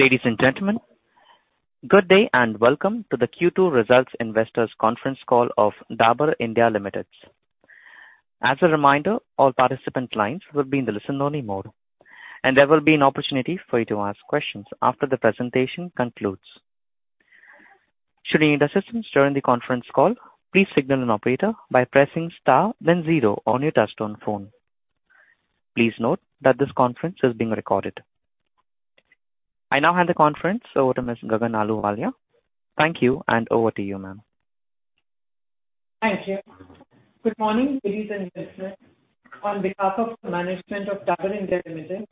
Ladies and gentlemen, good day and welcome to the Q2 Results Investors Conference Call of Dabur India Limited. As a reminder, all participant lines will be in the listen-only mode, and there will be an opportunity for you to ask questions after the presentation concludes. Should you need assistance during the conference call, please signal an operator by pressing star then zero on your touch-tone phone. Please note that this conference is being recorded. I now hand the conference over to Ms. Gagan Ahluwalia. Thank you, and over to you, ma'am. Thank you. Good morning, ladies and gentlemen. On behalf of the management of Dabur India Limited,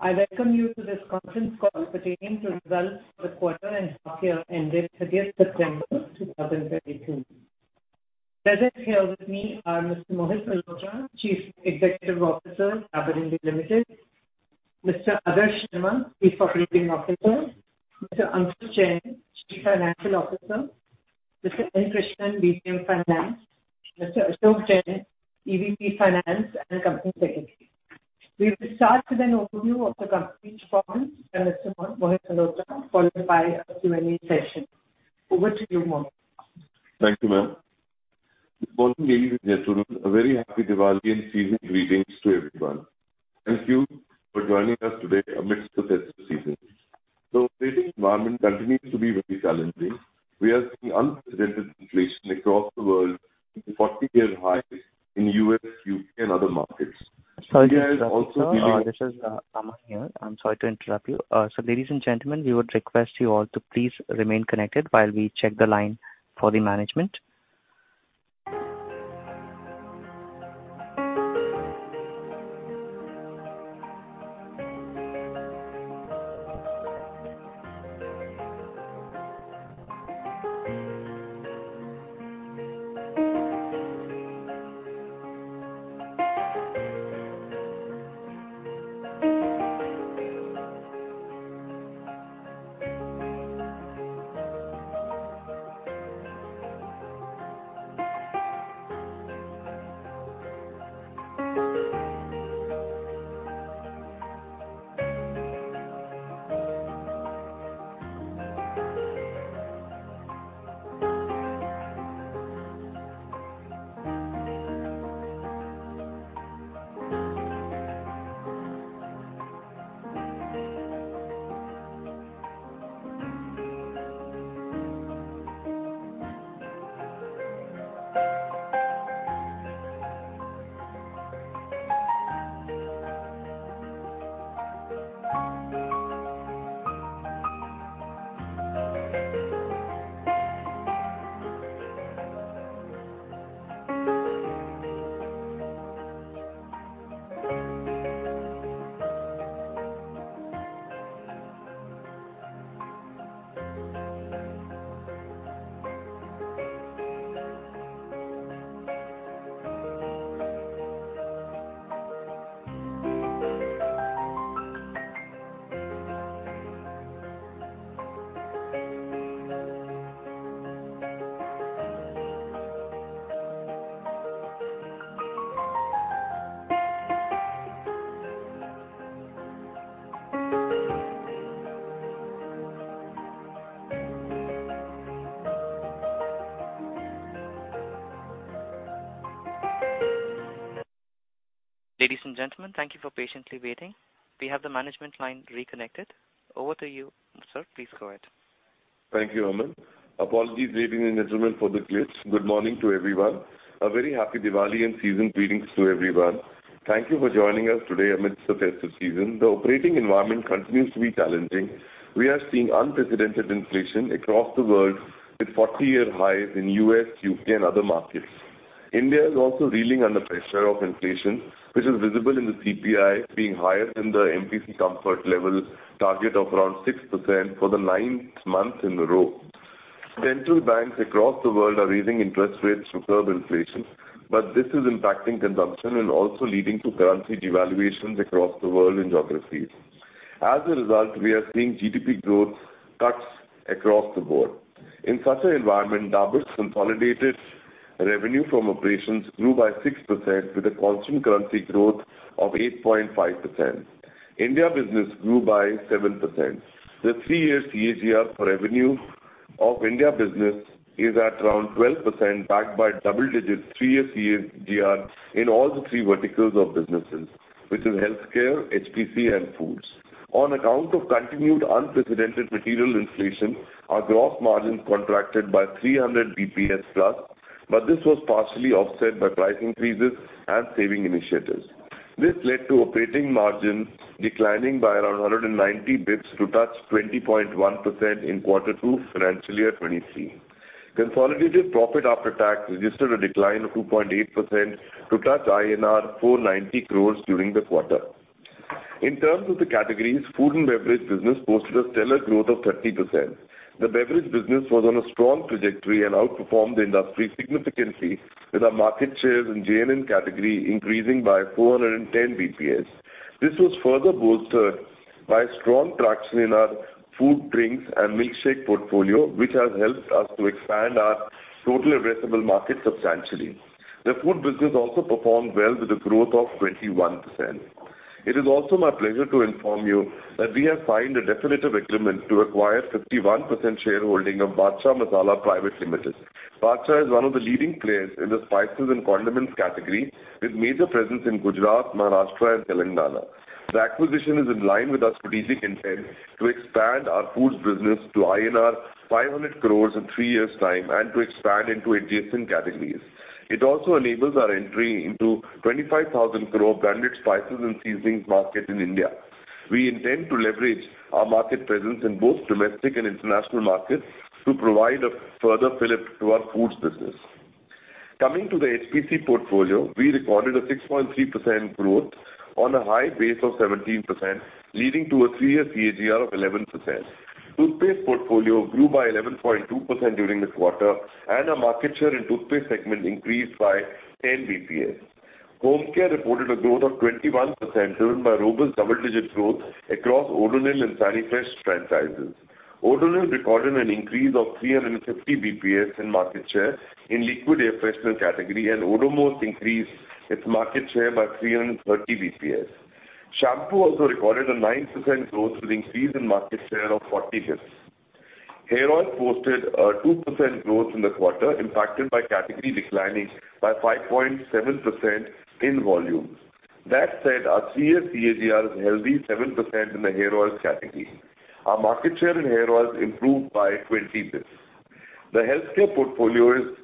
I welcome you to this conference call pertaining to results for the quarter and half year ended September 30, 2022. Present here with me are Mr. Mohit Malhotra, Chief Executive Officer, Dabur India Limited, Mr. Adarsh Sharma, Chief Operating Officer, Mr. Ankush Jain, Chief Financial Officer, Mr. N. Krishnan, VP Finance, Mr. Ashok Jain, EVP Finance and Company Secretary. We will start with an overview of the company's performance by Mr. Mohit Malhotra followed by a Q&A session. Over to you, Mohit. Thank you, ma'am. Good morning, ladies and gentlemen. A very happy Diwali and season's greetings to everyone. Thank you for joining us today amidst the festive season. The operating environment continues to be very challenging. We are seeing unprecedented inflation across the world with 40-year highs in U.S., U.K. and other markets. India is also dealing. Sorry to interrupt you, sir. This is Aman here. I'm sorry to interrupt you. Ladies and gentlemen, we would request you all to please remain connected while we check the line for the management. Ladies and gentlemen, thank you for patiently waiting. We have the management line reconnected. Over to you, sir. Please go ahead. Thank you, Aman. Apologies, ladies and gentlemen, for the glitch. Good morning to everyone. A very happy Diwali and season greetings to everyone. Thank you for joining us today amidst the festive season. The operating environment continues to be challenging. We are seeing unprecedented inflation across the world with 40-year highs in U.S., U.K. and other markets. India is also reeling under pressure of inflation, which is visible in the CPI being higher than the MPC comfort level target of around 6% for the 9th month in a row. Central banks across the world are raising interest rates to curb inflation, but this is impacting consumption and also leading to currency devaluations across the world in geographies. As a result, we are seeing GDP growth cuts across the board. In such an environment, Dabur's consolidated revenue from operations grew by 6% with a constant currency growth of 8.5%. India business grew by 7%. The three-year CAGR for revenue of India business is at around 12%, backed by double digits three year CAGR in all the three verticals of businesses, which is healthcare, HPC and foods. On account of continued unprecedented material inflation, our gross margin contracted by 300 BPS plus, but this was partially offset by price increases and saving initiatives. This led to operating margin declining by around 190 BPS to touch 20.1% in quarter two financial year 2023. Consolidated profit after tax registered a decline of 2.8% to touch INR 490 crores during the quarter. In terms of the categories, food and beverage business posted a stellar growth of 30%. The beverage business was on a strong trajectory and outperformed the industry significantly, with our market shares in JNN category increasing by 410 BPS. This was further bolstered by strong traction in our food, drinks, and milkshake portfolio, which has helped us to expand our total addressable market substantially. The food business also performed well with a growth of 21%. It is also my pleasure to inform you that we have signed a definitive agreement to acquire 51% shareholding of Badshah Masala Private Limited. Badshah is one of the leading players in the spices and condiments category, with major presence in Gujarat, Maharashtra, and Telangana. The acquisition is in line with our strategic intent to expand our foods business to INR 500 crores in three years' time and to expand into adjacent categories. It also enables our entry into 25,000 crore branded spices and seasonings market in India. We intend to leverage our market presence in both domestic and international markets to provide a further fillip to our foods business. Coming to the HPC portfolio, we recorded a 6.3% growth on a high base of 17%, leading to a three year CAGR of 11%. Toothpaste portfolio grew by 11.2% during this quarter, and our market share in toothpaste segment increased by 10 basis points. Home care reported a growth of 21%, driven by robust double-digit growth across Odonil and Sanifresh franchises. Odonil recorded an increase of 350 basis points in market share in liquid air freshener category, and Odomos increased its market share by 330 basis points. Shampoo also recorded a 9% growth with increase in market share of 40 basis points. Hair oil posted a 2% growth in the quarter, impacted by category declining by 5.7% in volume. Our three year CAGR is a healthy 7% in the hair oils category. Our market share in hair oils improved by 20 basis points. The healthcare portfolio is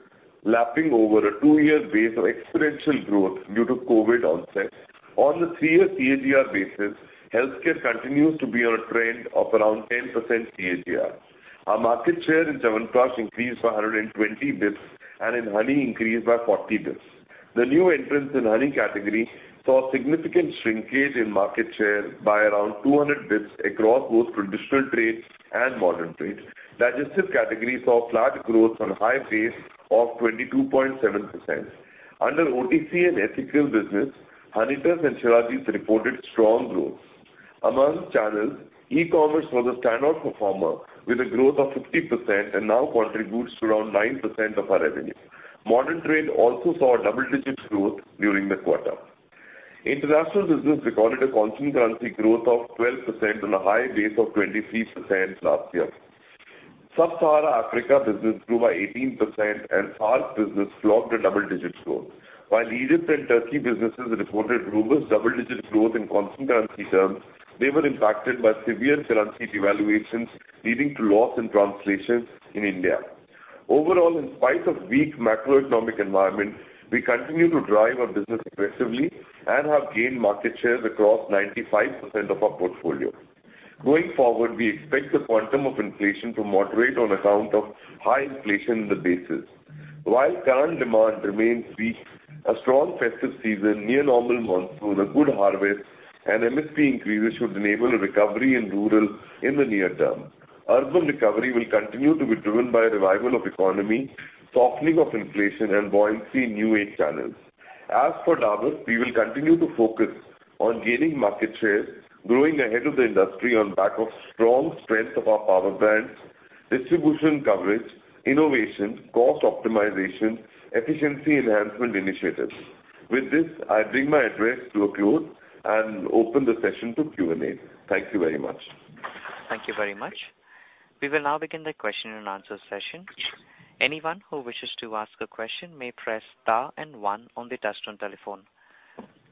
lapping over a 2-year base of exponential growth due to COVID onset. On the three year CAGR basis, healthcare continues to be on a trend of around 10% CAGR. Our market share in Chyawanprash increased by 120 basis points and in honey increased by 40 basis points. The new entrants in honey category saw significant shrinkage in market share by around 200 basis points across both traditional trades and modern trades. Digestive category saw flat growth on high base of 22.7%. Under OTC and ethical business, Honitus and Shilajit reported strong growth. Among channels, e-commerce was a standout performer with a growth of 50% and now contributes to around 9% of our revenue. Modern trade also saw a double-digit growth during the quarter. International business recorded a constant currency growth of 12% on a high base of 23% last year. Sub-Saharan Africa business grew by 18%, and SAARC business clocked a double-digit growth. While Egypt and Turkey businesses reported robust double-digit growth in constant currency terms, they were impacted by severe currency devaluations, leading to translation losses in India. Overall, in spite of weak macroeconomic environment, we continue to drive our business aggressively and have gained market shares across 95% of our portfolio. Going forward, we expect the quantum of inflation to moderate on account of high inflation in the bases. While current demand remains weak, a strong festive season, near normal monsoon, a good harvest, and MSP increases should enable a recovery in rural in the near term. Urban recovery will continue to be driven by revival of economy, softening of inflation, and buoyancy in new-age channels. As for Dabur, we will continue to focus on gaining market share, growing ahead of the industry on back of strong strength of our power brands, distribution coverage, innovation, cost optimization, efficiency enhancement initiatives. With this, I bring my address to a close and open the session to Q&A. Thank you very much. Thank you very much. We will now begin the question and answer session. Anyone who wishes to ask a question may press star and one on the touchtone telephone.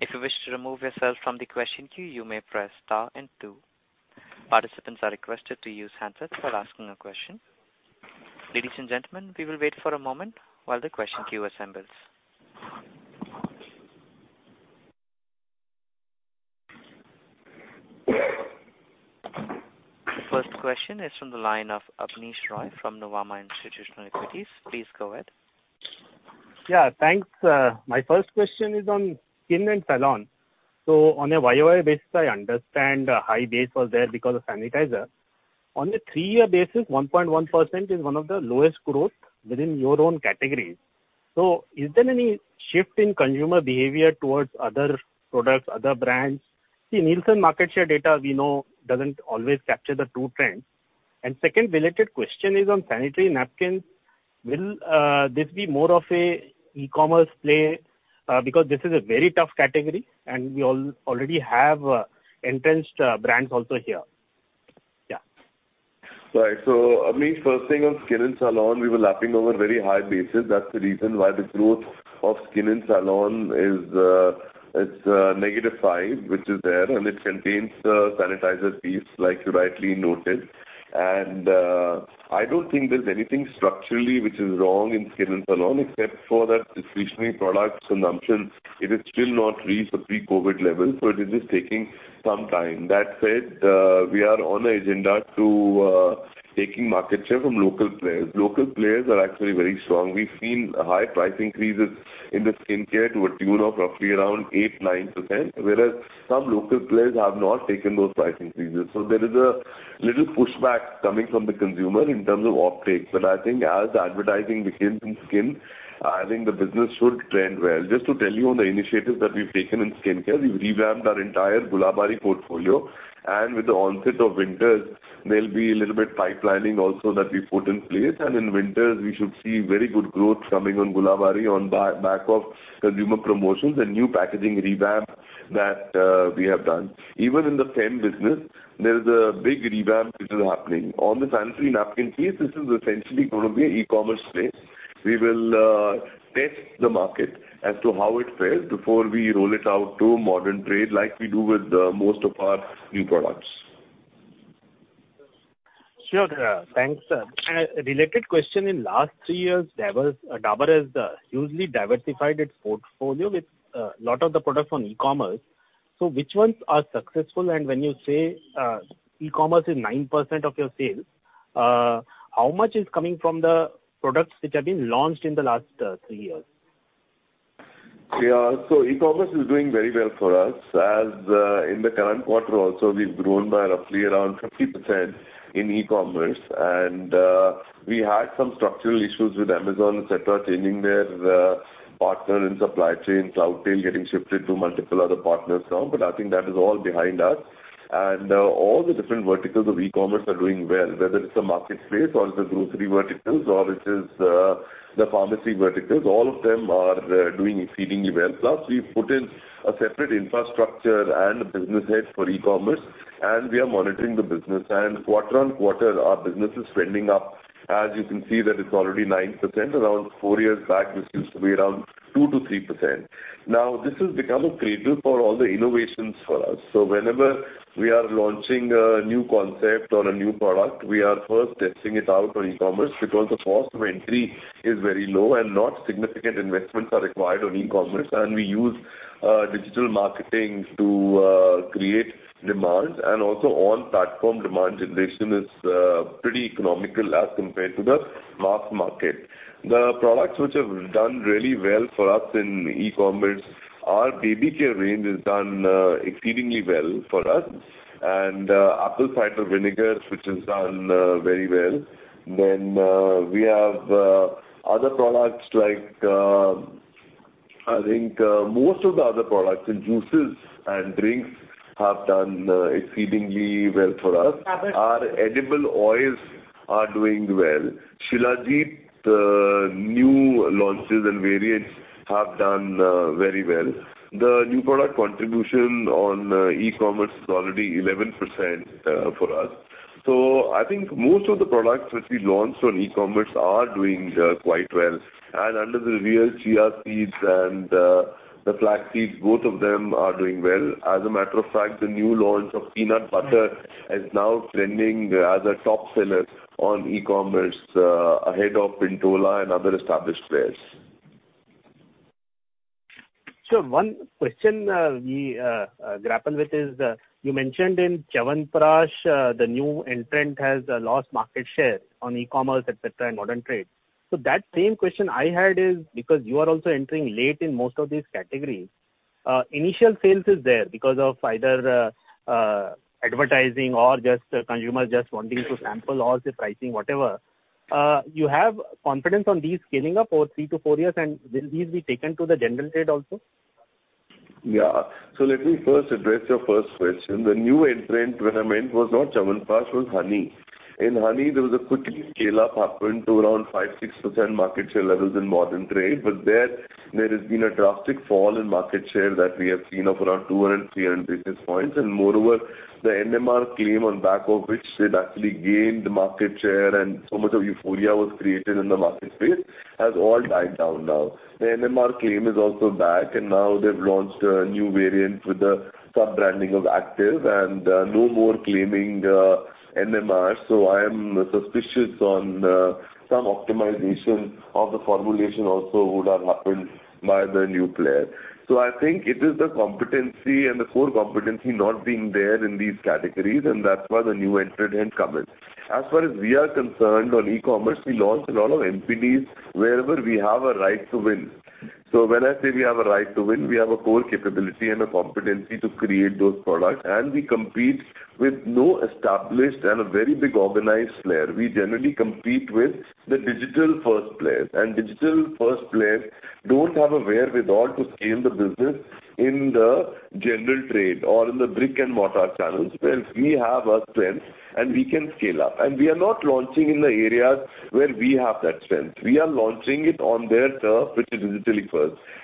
If you wish to remove yourself from the question queue, you may press star and two. Participants are requested to use handsets while asking a question. Ladies and gentlemen, we will wait for a moment while the question queue assembles. The first question is from the line of Abneesh Roy from Nuvama Institutional Equities. Please go ahead. Yeah, thanks. My first question is on skin and salon. On a year-over-year basis, I understand a high base was there because of sanitizer. On a three year basis, 1.1% is one of the lowest growth within your own categories. Is there any shift in consumer behavior towards other products, other brands? See, Nielsen market share data, we know doesn't always capture the true trends. Second related question is on sanitary napkins. Will this be more of an e-commerce play? Because this is a very tough category, and we already have entrenched brands also here. Yeah. Right. Abneesh, first thing on skin and salon, we were lapping over very high bases. That's the reason why the growth of skin and salon is negative 5%, which is there, and it contains the sanitizer piece, like you rightly noted. I don't think there's anything structurally which is wrong in skin and salon except for that discretionary product consumption, it has still not reached the pre-COVID level, so it is just taking some time. That said, we are on an agenda to taking market share from local players. Local players are actually very strong. We've seen high price increases in the skincare to a tune of roughly around 8-9%, whereas some local players have not taken those price increases. There is a little pushback coming from the consumer in terms of offtake. I think as advertising begins in skincare, I think the business should trend well. Just to tell you on the initiatives that we've taken in skincare, we've revamped our entire Gulabari portfolio, and with the onset of winters, there'll be a little bit pipelining also that we've put in place. In winters, we should see very good growth coming on Gulabari on back of consumer promotions and new packaging revamp that we have done. Even in the fem business, there is a big revamp which is happening. On the sanitary napkin space, this is essentially gonna be e-commerce space. We will test the market as to how it fares before we roll it out to modern trade, like we do with most of our new products. Sure. Thanks, sir. Related question. In last three years, Dabur has hugely diversified its portfolio with lot of the products on e-commerce. Which ones are successful? When you say e-commerce is 9% of your sales, how much is coming from the products which have been launched in the last three years? Yeah. E-commerce is doing very well for us, as, in the current quarter also, we've grown by roughly around 50% in e-commerce. We had some structural issues with Amazon, et cetera, changing their partner and supply chain, Cloudtail getting shifted to multiple other partners now, but I think that is all behind us. All the different verticals of e-commerce are doing well, whether it's the marketplace or the grocery verticals or it is the pharmacy verticals. All of them are doing exceedingly well. Plus, we've put in a separate infrastructure and a business head for e-commerce, and we are monitoring the business. Quarter on quarter, our business is trending up. As you can see that it's already 9%. Around four years back, this used to be around 2% to 3%. Now, this has become a cradle for all the innovations for us. Whenever we are launching a new concept or a new product, we are first testing it out on e-commerce because the cost of entry is very low and not significant investments are required on e-commerce. We use digital marketing to create demand. On platform demand generation is pretty economical as compared to the mass market. The products which have done really well for us in e-commerce, our baby care range has done exceedingly well for us, and apple cider vinegar, which has done very well. We have other products like I think most of the other products in juices and drinks have done exceedingly well for us. Dabur- Our edible oils are doing well. Shilajit, new launches and variants have done very well. The new product contribution on e-commerce is already 11%, for us. I think most of the products which we launched on e-commerce are doing quite well. Under the Réal chia seeds and the flax seeds, both of them are doing well. As a matter of fact, the new launch of peanut butter is now trending as a top seller on e-commerce, ahead of Pintola and other established players. One question we grapple with is, you mentioned in Chyawanprash, the new entrant has lost market share on e-commerce, et cetera, and modern trade. That same question I had is because you are also entering late in most of these categories, initial sales is there because of either advertising or just consumers just wanting to sample all the pricing, whatever. You have confidence on these scaling up for three to four years, and will these be taken to the general trade also? Yeah. Let me first address your first question. The new entrant what I meant was not Chyawanprash, it was honey. In honey, there was a quick scale up happened to around 5% to 6% market share levels in modern trade. But there has been a drastic fall in market share that we have seen of around 200 to 300 basis points. Moreover, the NMR claim on back of which they've actually gained market share and so much of euphoria was created in the market space has all died down now. The NMR claim is also back, and now they've launched a new variant with the sub-branding of Active and no more claiming the NMR. I am suspicious on some optimization of the formulation also would have happened by the new player. I think it is the competency and the core competency not being there in these categories, and that's why the new entrant didn't come in. As far as we are concerned on e-commerce, we launched a lot of NPDs wherever we have a right to win. When I say we have a right to win, we have a core capability and a competency to create those products, and we compete with no established and a very big organized player. We generally compete with the digital-first players, and digital-first players don't have a wherewithal to scale the business in the general trade or in the brick-and-mortar channels, where we have a strength, and we can scale up. We are not launching in the areas where we have that strength. We are launching it on their turf, which is digitally first.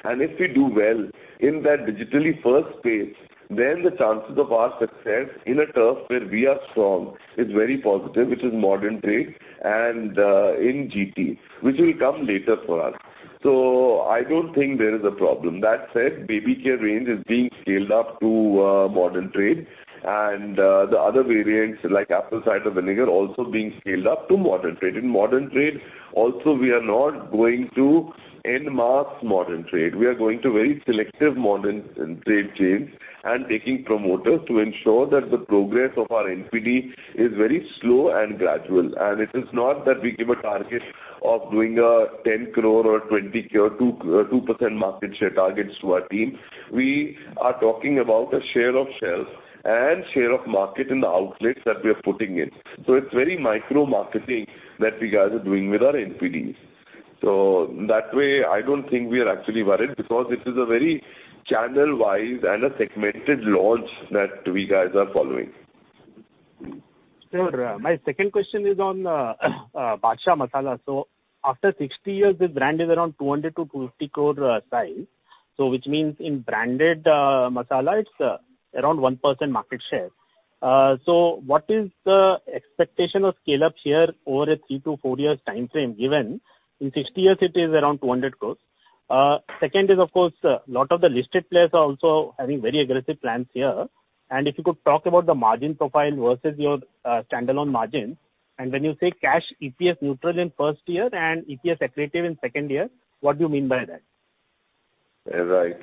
If we do well in that digitally first space, then the chances of our success in a turf where we are strong is very positive, which is modern trade and in GT, which will come later for us. I don't think there is a problem. That said, baby care range is being scaled up to modern trade, and the other variants like apple cider vinegar also being scaled up to modern trade. In modern trade also, we are not going to en masse modern trade. We are going to very selective modern trade chains and taking promoters to ensure that the progress of our NPD is very slow and gradual. It is not that we give a target of doing 10 crore or 20 crore or 2% market share targets to our team. We are talking about a share of shelf and share of market in the outlets that we are putting in. It's very micro-marketing that we guys are doing with our NPDs. That way, I don't think we are actually worried because this is a very channel-wise and a segmented launch that we guys are following. Sure. My second question is on Badshah Masala. After 60 years, this brand is around 200-200 crore size. Which means in branded masala, it's around 1% market share. What is the expectation of scale-up here over a three to four years timeframe, given in 60 years it is around 200 crores? Second is of course, lot of the listed players are also having very aggressive plans here. If you could talk about the margin profile versus your standalone margin. When you say cash EPS neutral in first year and EPS accretive in second year, what do you mean by that? Right.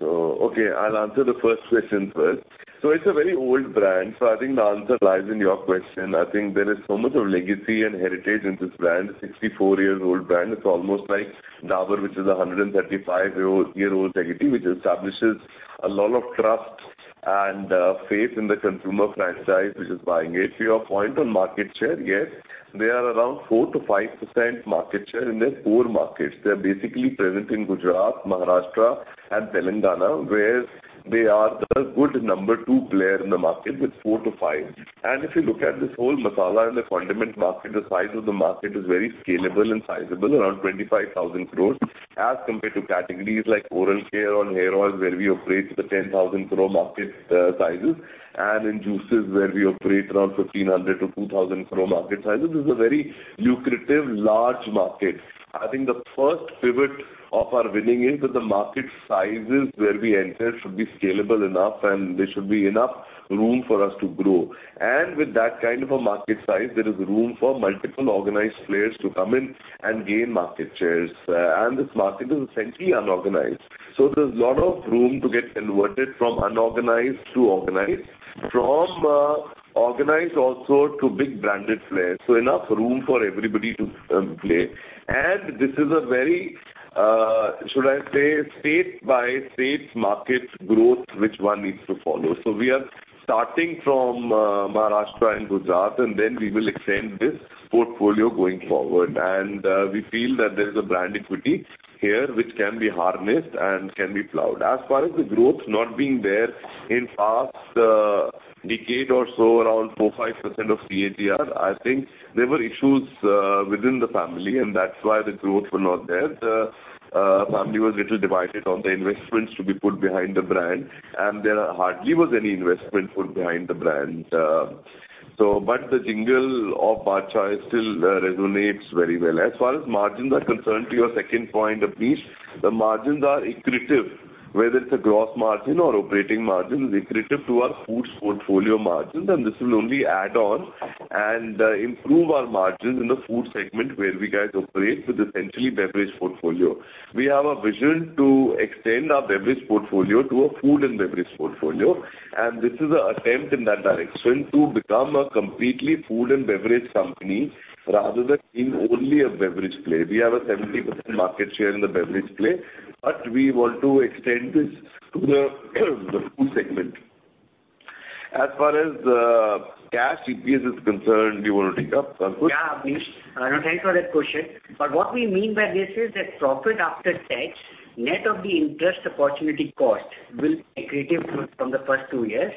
Okay, I'll answer the first question first. It's a very old brand, so I think the answer lies in your question. I think there is so much of legacy and heritage in this brand. 64 year old brand, it's almost like Dabur, which is a 135 year old entity, which establishes a lot of trust and faith in the consumer franchise which is buying it. To your point on market share, yes, they are around 4% to 5% market share in their core markets. They're basically present in Gujarat, Maharashtra and Telangana, where they are the good number two player in the market with four to five. If you look at this whole masala and the condiment market, the size of the market is very scalable and sizable, around 25,000 crore, as compared to categories like oral care or hair oils, where we operate to the 10,000 crore market sizes, and in juices, where we operate around 1,500 to 2,000 crore market sizes. This is a very lucrative large market. I think the first pivot of our winning is that the market sizes where we enter should be scalable enough and there should be enough room for us to grow. With that kind of a market size, there is room for multiple organized players to come in and gain market shares. This market is essentially unorganized, so there's a lot of room to get converted from unorganized to organized, from organized also to big branded players, so enough room for everybody to play. This is a very should I say state-by-state market growth which one needs to follow. We are starting from Maharashtra and Gujarat, and then we will extend this portfolio going forward. We feel that there is a brand equity here which can be harnessed and can be plowed. As far as the growth not being there in past decade or so, around 4% to 5% CAGR, I think there were issues within the family, and that's why the growth were not there. The family was a little divided on the investments to be put behind the brand, and there hardly was any investment put behind the brand. The jingle of Badshah Masala still resonates very well. As far as margins are concerned, to your second point, Abneesh, the margins are accretive, whether it's a gross margin or operating margin, is accretive to our foods portfolio margins. This will only add on and improve our margins in the food segment where we guys operate with essentially a beverage portfolio. We have a vision to extend our beverage portfolio to a food and beverage portfolio, and this is an attempt in that direction to become a completely food and beverage company rather than being only a beverage play. We have a 70% market share in the beverage play, but we want to extend this to the food segment. As far as cash EPS is concerned, do you wanna take up, Sanketh? Yeah, Abneesh Roy. No, thanks for that question. What we mean by this is that profit after tax, net of the interest opportunity cost, will be accretive from the first two years.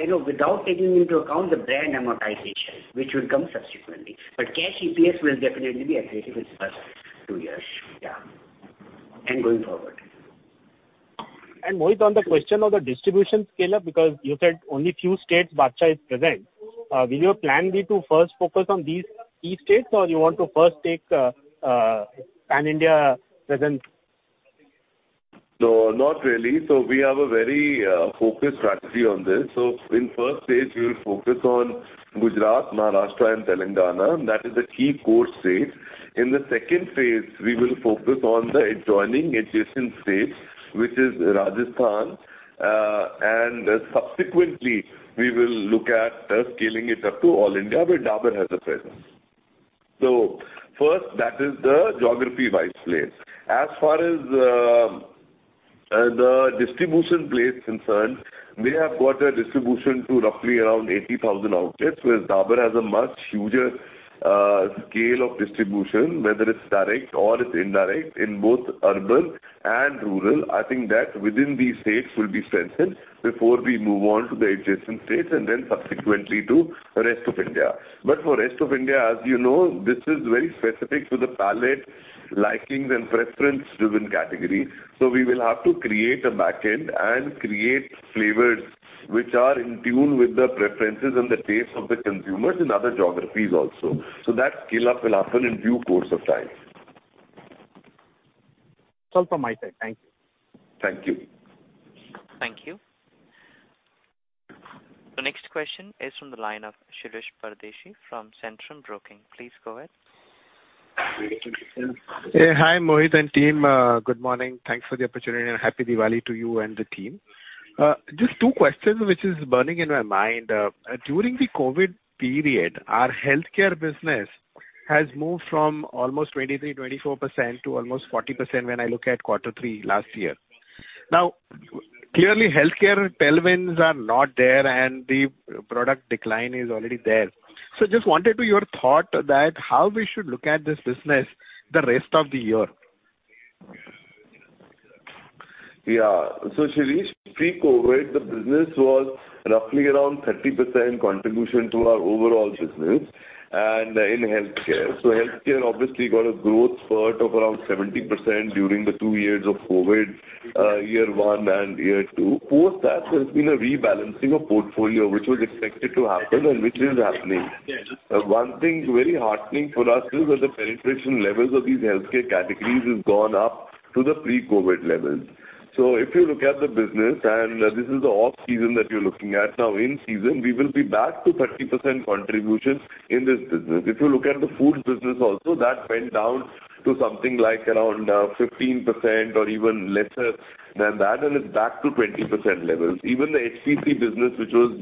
You know, without taking into account the brand amortization, which will come subsequently. Cash EPS will definitely be accretive in first two years. Yeah. Going forward. Mohit, on the question of the distribution scale-up, because you said only few states Badshah is present, will your plan be to first focus on these states, or you want to first take pan-India presence? No, not really. We have a very focused strategy on this. In first phase we will focus on Gujarat, Maharashtra and Telangana. That is the key core states. In the second phase, we will focus on the adjoining adjacent states, which is Rajasthan. Subsequently, we will look at scaling it up to all India, where Dabur has a presence. First, that is the geography-wise play. As far as the distribution play is concerned, we have got a distribution to roughly around 80,000 outlets, whereas Dabur has a much huger scale of distribution, whether it's direct or it's indirect, in both urban and rural. I think that within these states will be strengthened before we move on to the adjacent states and then subsequently to rest of India. For rest of India, as you know, this is very specific to the palate likings and preference driven category. We will have to create a backend and create flavors which are in tune with the preferences and the tastes of the consumers in other geographies also. That scale-up will happen in due course of time. It's all from my side. Thank you. Thank you. Thank you. The next question is from the line of Shirish Pardeshi from Centrum Broking. Please go ahead. Yeah. Hi, Mohit and team. Good morning. Thanks for the opportunity and happy Diwali to you and the team. Just two questions which is burning in my mind. During the COVID period, our healthcare business has moved from almost 23% to 24% to almost 40% when I look at quarter three last year. Now, clearly, healthcare tailwinds are not there and the product decline is already there. Just wanted to your thought that how we should look at this business the rest of the year? Yeah. Shirish, pre-COVID, the business was roughly around 30% contribution to our overall business, and in healthcare. Healthcare obviously got a growth spurt of around 70% during the two years of COVID, year one and year two. Post that, there's been a rebalancing of portfolio which was expected to happen and which is happening. One thing very heartening for us is that the penetration levels of these healthcare categories has gone up to the pre-COVID levels. If you look at the business, and this is the off-season that you're looking at now, in season we will be back to 30% contributions in this business. If you look at the food business also, that went down to something like around 15% or even lesser than that, and it's back to 20% levels. Even the HPC business, which was,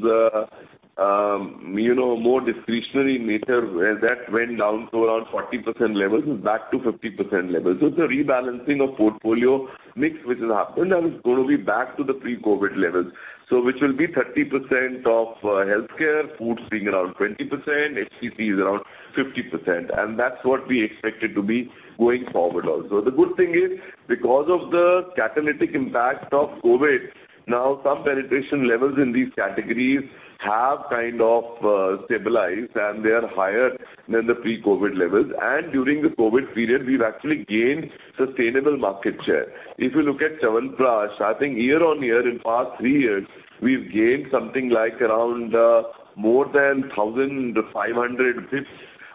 you know, more discretionary nature, where that went down to around 40% levels, is back to 50% levels. It's a rebalancing of portfolio mix which has happened, and it's gonna be back to the pre-COVID levels. Which will be 30% of, healthcare, foods being around 20%, HPC is around 50%, and that's what we expected to be going forward also. The good thing is, because of the catalytic impact of COVID, now some penetration levels in these categories have kind of stabilized, and they are higher than the pre-COVID levels. During the COVID period, we've actually gained sustainable market share. If you look at Chyawanprash, I think year on year in past three years, we've gained something like around, more than 1,500 BPS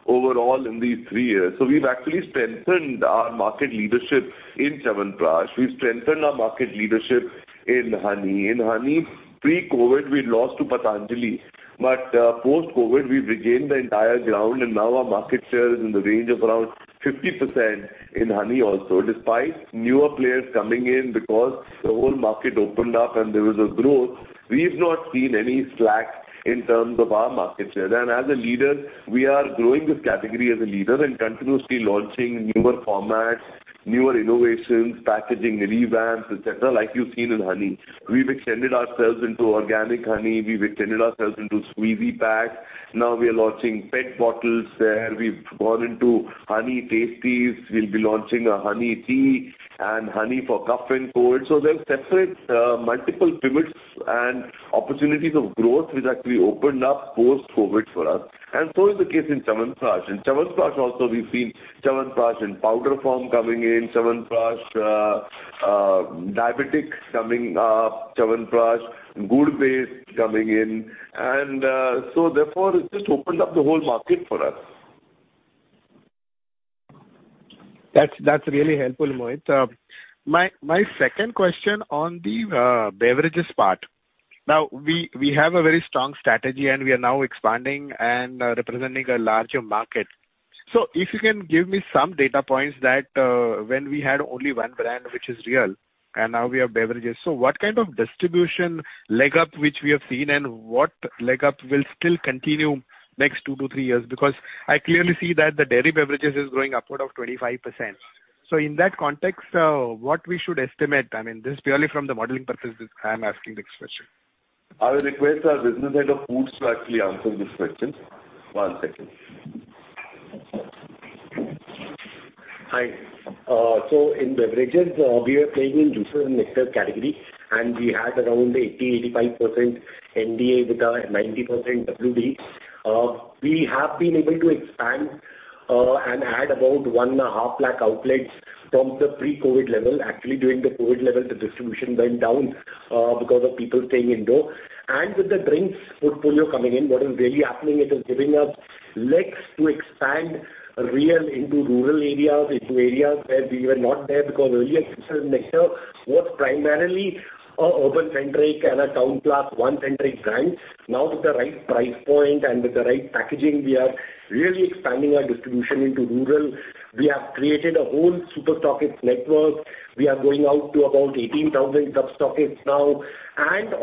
overall in these three years. We've actually strengthened our market leadership in Chyawanprash. We've strengthened our market leadership in honey. In honey, pre-COVID, we lost to Patanjali, but post-COVID, we've regained the entire ground, and now our market share is in the range of around 50% in honey also. Despite newer players coming in, because the whole market opened up and there was a growth, we've not seen any slack in terms of our market share. As a leader, we are growing this category as a leader and continuously launching newer formats, newer innovations, packaging revamps, et cetera, like you've seen in honey. We've extended ourselves into organic honey. We've extended ourselves into squeezy pack. Now we are launching pet bottles where we've gone into Honey Tasties. We'll be launching a honey tea and honey for cough and cold. There are separate multiple pivots and opportunities of growth which actually opened up post-COVID for us. Is the case in Chyawanprash. In Chyawanprash also we've seen Chyawanprash in powder form coming in, Chyawanprash diabetic coming up, Chyawanprash jaggery-based coming in. Therefore it just opened up the whole market for us. That's really helpful, Mohit. My second question on the beverages part. Now, we have a very strong strategy and we are now expanding and representing a larger market. If you can give me some data points that, when we had only one brand, which is Réal, and now we have beverages. What kind of distribution leg up which we have seen and what leg up will still continue next two to three years? Because I clearly see that the dairy beverages is growing upward of 25%. In that context, what we should estimate? I mean, this is purely from the modeling purposes I'm asking this question. I will request our business head of foods to actually answer this question. One second. Hi. In beverages, we are playing in juices and nectar category, and we had around 80% to 85% ND with a 90% WD. We have been able to expand and add about 1.5 lakh outlets from the pre-COVID level. Actually, during the COVID level, the distribution went down because of people staying indoors. With the drinks portfolio coming in, what is really happening, it is giving us legs to expand Réal into rural areas, into areas where we were not there, because earlier juices and nectar was primarily a urban-centric and a town class one centric brand. Now with the right price point and with the right packaging, we are really expanding our distribution into rural. We have created a whole super stockist network. We are going out to about 18,000 sub-stockists now.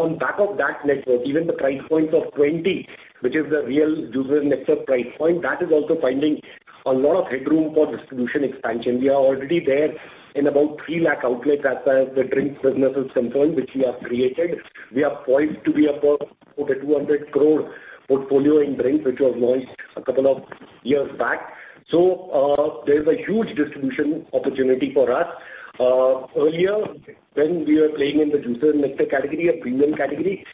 On back of that network, even the price points of 20, which is the Réal juices and nectar price point, that is also finding a lot of headroom for distribution expansion. We are already there in about 3 lakh outlets as the drinks business is concerned, which we have created. We are poised to be above about a 200 crore portfolio in drinks, which was launched a couple of years back. There is a huge distribution opportunity for us. Earlier when we were playing in the juices and nectar category, a premium category,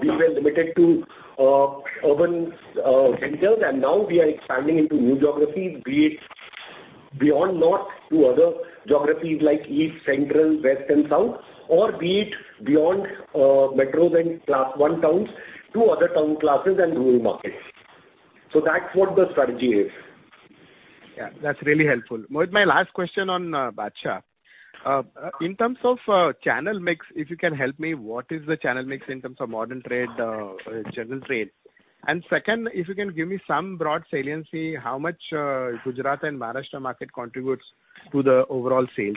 we were limited to urban centers, and now we are expanding into new geographies, be it beyond north to other geographies like east, central, west and south, or be it beyond metros and class one towns to other town classes and rural markets. That's what the strategy is. Yeah. That's really helpful. Mohit, my last question on Badshah. In terms of channel mix, if you can help me, what is the channel mix in terms of modern trade, general trade? Second, if you can give me some broad saliency, how much Gujarat and Maharashtra market contributes to the overall sales?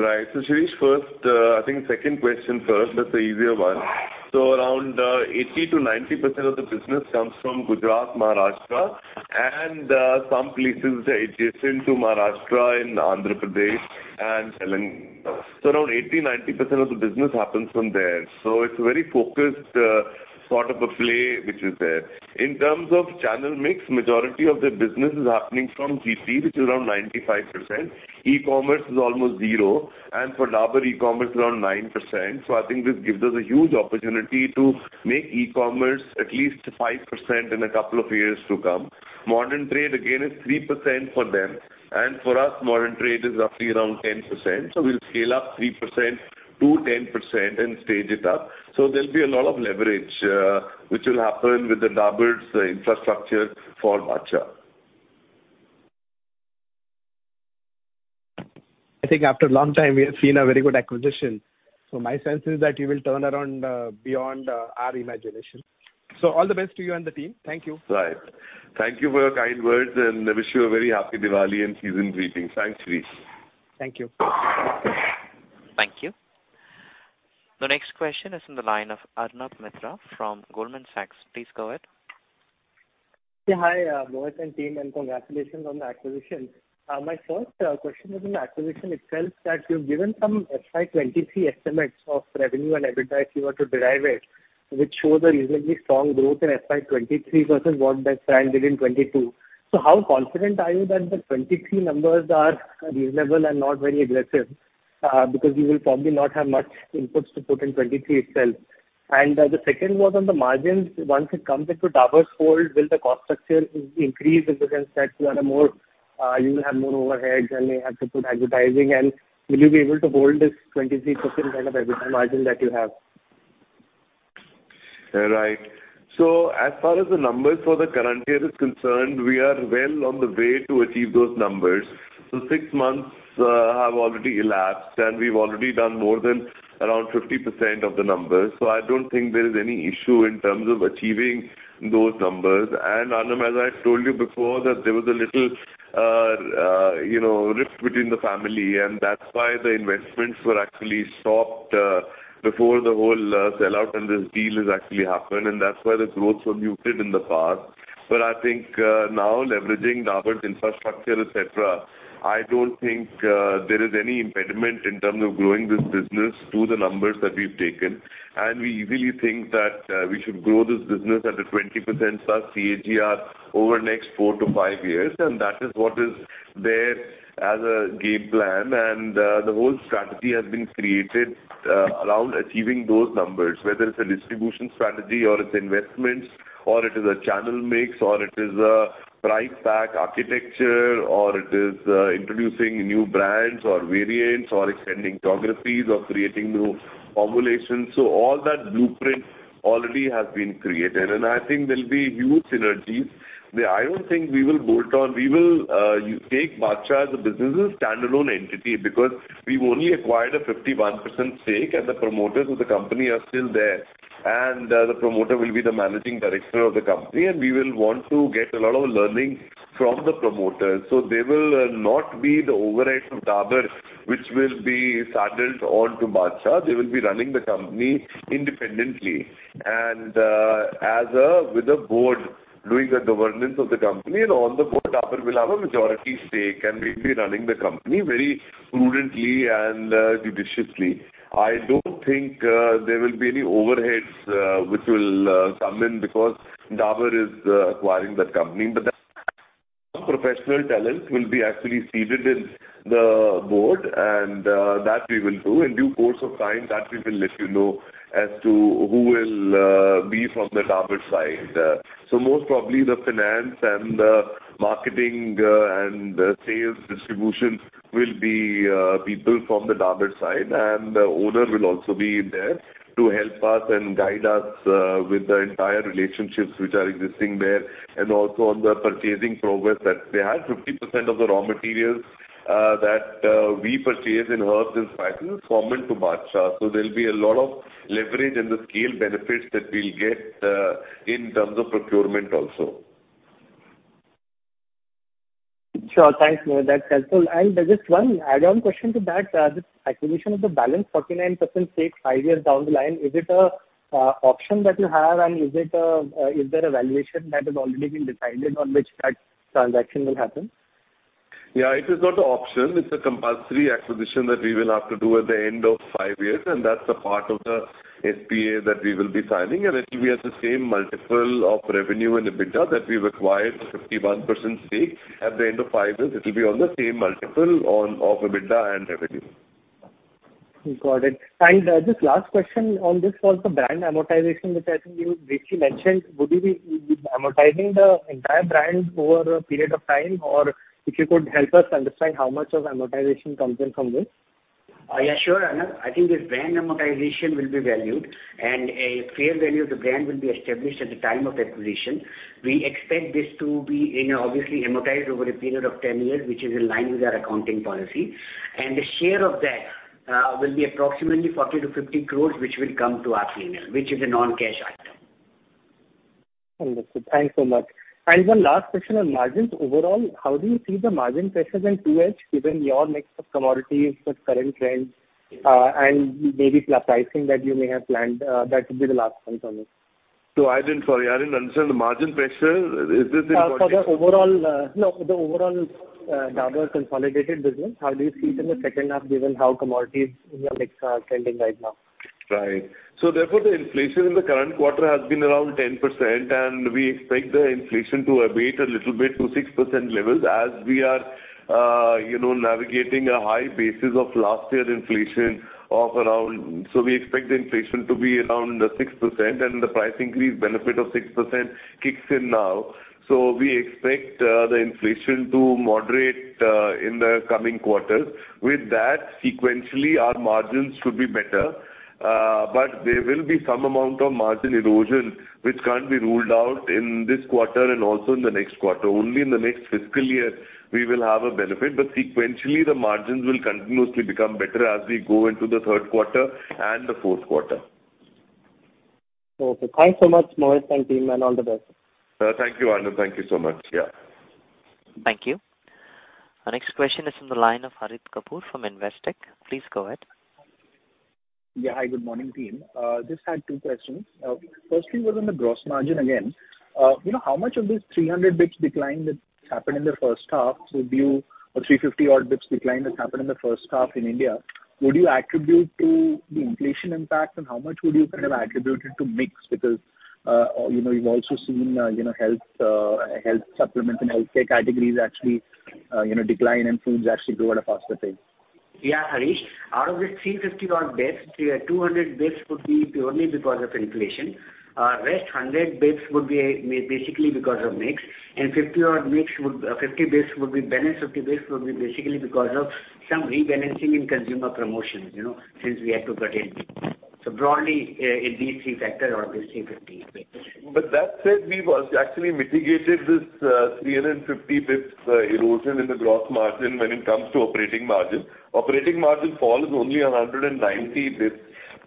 Right. Shirish, first, I think second question first, that's the easier one. Around 80% to 90% of the business comes from Gujarat, Maharashtra, and some places adjacent to Maharashtra in Andhra Pradesh and Telangana. Around 80% to 90% of the business happens from there. It's a very focused sort of a play which is there. In terms of channel mix, majority of the business is happening from GT, which is around 95%. E-commerce is almost zero. For Dabur, e-commerce is around 9%. I think this gives us a huge opportunity to make e-commerce at least 5% in a couple of years to come. Modern trade again is 3% for them, and for us modern trade is roughly around 10%. We'll scale up 3% to 10% and stage it up. There'll be a lot of leverage, which will happen with Dabur's infrastructure for Badshah. I think after a long time we have seen a very good acquisition. My sense is that you will turn around beyond our imagination. All the best to you and the team. Thank you. Right. Thank you for your kind words, and I wish you a very happy Diwali and season greetings. Thanks, Shirish. Thank you. Thank you. The next question is in the line of Arnab Mitra from Goldman Sachs. Please go ahead. Yeah, hi, Mohit and team, and congratulations on the acquisition. My first question is on the acquisition itself, that you've given some FY 2023 estimates of revenue and EBITDA if you were to derive it, which show the reasonably strong growth in FY 2023, 23% what that trend did in 22. How confident are you that the 23 numbers are reasonable and not very aggressive? Because you will probably not have much inputs to put in 23 itself. The second was on the margins. Once it comes into Dabur's fold, will the cost structure increase in the sense that you are a more, you will have more overheads and you have to put advertising? And will you be able to hold this 23% kind of EBITDA margin that you have? Right. As far as the numbers for the current year is concerned, we are well on the way to achieve those numbers. Six months have already elapsed, and we've already done more than around 50% of the numbers. I don't think there is any issue in terms of achieving those numbers. Arnab, as I told you before, that there was a little, you know, rift between the family, and that's why the investments were actually stopped before the whole sellout and this deal has actually happened, and that's why the growth was muted in the past. But I think now leveraging Dabur's infrastructure, et cetera, I don't think there is any impediment in terms of growing this business to the numbers that we've taken. We easily think that we should grow this business at a 20%+ CAGR over the next four to five years, and that is what is there as a game plan. The whole strategy has been created around achieving those numbers, whether it's a distribution strategy or it's investments or it is a channel mix, or it is a price pack architecture, or it is introducing new brands or variants, or extending geographies or creating new formulations. All that blueprint already has been created, and I think there'll be huge synergies. I don't think we will bolt on. We will take Badshah as a business, a standalone entity, because we've only acquired a 51% stake and the promoters of the company are still there. The promoter will be the managing director of the company, and we will want to get a lot of learning from the promoters. There will not be the overheads of Dabur which will be saddled onto Badshah. They will be running the company independently and, as a, with a board doing the governance of the company. On the board Dabur will have a majority stake, and we'll be running the company very prudently and, judiciously. I don't think there will be any overheads, which will come in because Dabur is acquiring that company. The professional talent will be actually seated in the board and, that we will do. In due course of time, that we will let you know as to who will be from the Dabur side. Most probably the finance and marketing and sales distribution will be people from the Dabur side. The owner will also be there to help us and guide us with the entire relationships which are existing there. Also on the purchasing process that they had, 50% of the raw materials that we purchase in herbs and spices common to Badshah. There'll be a lot of leverage and the scale benefits that we'll get in terms of procurement also. Sure. Thanks, Mohit, that's helpful. Just one add-on question to that. This acquisition of the balance 49% stake five years down the line, is it a option that you have and is it, is there a valuation that has already been decided on which that transaction will happen? Yeah, it is not an option. It's a compulsory acquisition that we will have to do at the end of five years, and that's the part of the SPA that we will be signing. It will be at the same multiple of revenue and EBITDA that we've acquired the 51% stake. At the end of five years, it will be on the same multiple of EBITDA and revenue. Got it. Just last question on this was the brand amortization, which I think you briefly mentioned. Would you be amortizing the entire brand over a period of time? Or if you could help us understand how much of amortization comes in from this? Yeah, sure, Arnab. I think this brand amortization will be valued and a fair value of the brand will be established at the time of acquisition. We expect this to be, you know, obviously amortized over a period of 10 years, which is in line with our accounting policy. The share of that will be approximately 40 to 50 crores, which will come to our P&L, which is a non-cash item. Understood. Thanks so much. One last question on margins. Overall, how do you see the margin pressures in 2H given your mix of commodities with current trends, and maybe pricing that you may have planned? That would be the last one from me. Sorry, I didn't understand, the margin pressure, is this in- For the overall Dabur consolidated business, how do you see it in the second half, given how commodities in your mix are trending right now? Therefore, the inflation in the current quarter has been around 10%, and we expect the inflation to abate a little bit to 6% levels as we are navigating a high basis of last year inflation. We expect inflation to be around 6% and the price increase benefit of 6% kicks in now. We expect the inflation to moderate in the coming quarters. With that, sequentially our margins should be better, but there will be some amount of margin erosion which can't be ruled out in this quarter and also in the next quarter. Only in the next fiscal year we will have a benefit, but sequentially, the margins will continuously become better as we go into the third quarter and the fourth quarter. Okay. Thanks so much, Mohit and team, and all the best. Thank you, Arnab Mitra. Thank you so much. Yeah. Thank you. Our next question is from the line of Harit Kapoor from Investec. Please go ahead. Yeah. Hi, good morning, team. Just had two questions. Firstly was on the gross margin again. You know, how much of this 300 basis points decline that's happened in the first half would you or 350 odd basis points decline that's happened in the first half in India, would you attribute to the inflation impact and how much would you kind of attribute it to mix? Because, you know, you've also seen, you know, health supplements and healthcare categories actually, you know, decline and foods actually grow at a faster pace. Harit. Out of this 350 odd basis points, 200 basis points would be purely because of inflation. Rest 100 basis points would be basically because of mix, and 50 basis points would be balance, 50 basis points would be basically because of some rebalancing in consumer promotions, you know, since we had to cut in. Broadly, these three factors are obviously 50 basis points. That said, we've actually mitigated this 350 bps erosion in the gross margin when it comes to operating margin. Operating margin fall is only 190 bps.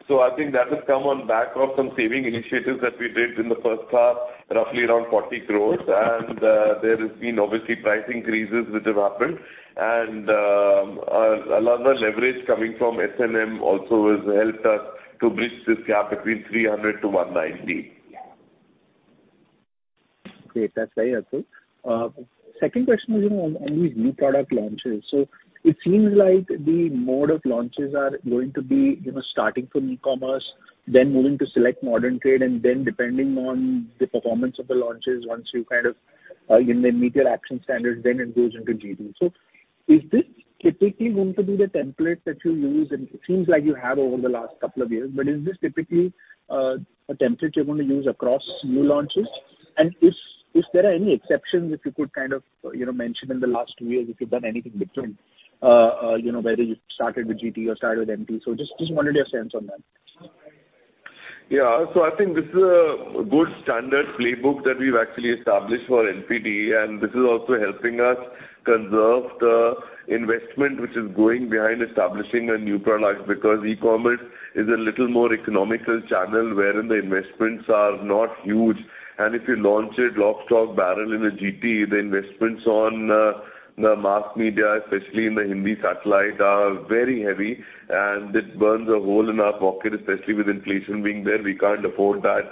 I think that has come on back of some saving initiatives that we did in the first half, roughly around 40 crore. There has been obviously price increases which have happened. A lot of the leverage coming from S&M also has helped us to bridge this gap between 300 to 190. Great. That's very helpful. Second question was, you know, on these new product launches. It seems like the mode of launches are going to be, you know, starting from e-commerce, then moving to select modern trade, and then depending on the performance of the launches, once you kind of, you know, meet your action standards, then it goes into GT. Is this typically going to be the template that you'll use? It seems like you have over the last couple of years, but is this typically a template you're gonna use across new launches? If there are any exceptions, if you could kind of, you know, mention in the last two years, if you've done anything different, you know, whether you started with GT or started with MT. Just wanted a sense on that. Yeah. I think this is a good standard playbook that we've actually established for NPD, and this is also helping us conserve the investment which is going behind establishing a new product, because e-commerce is a little more economical channel wherein the investments are not huge. If you launch a lock, stock, barrel in a GT, the investments on the mass media, especially in the Hindi satellite, are very heavy, and it burns a hole in our pocket, especially with inflation being there, we can't afford that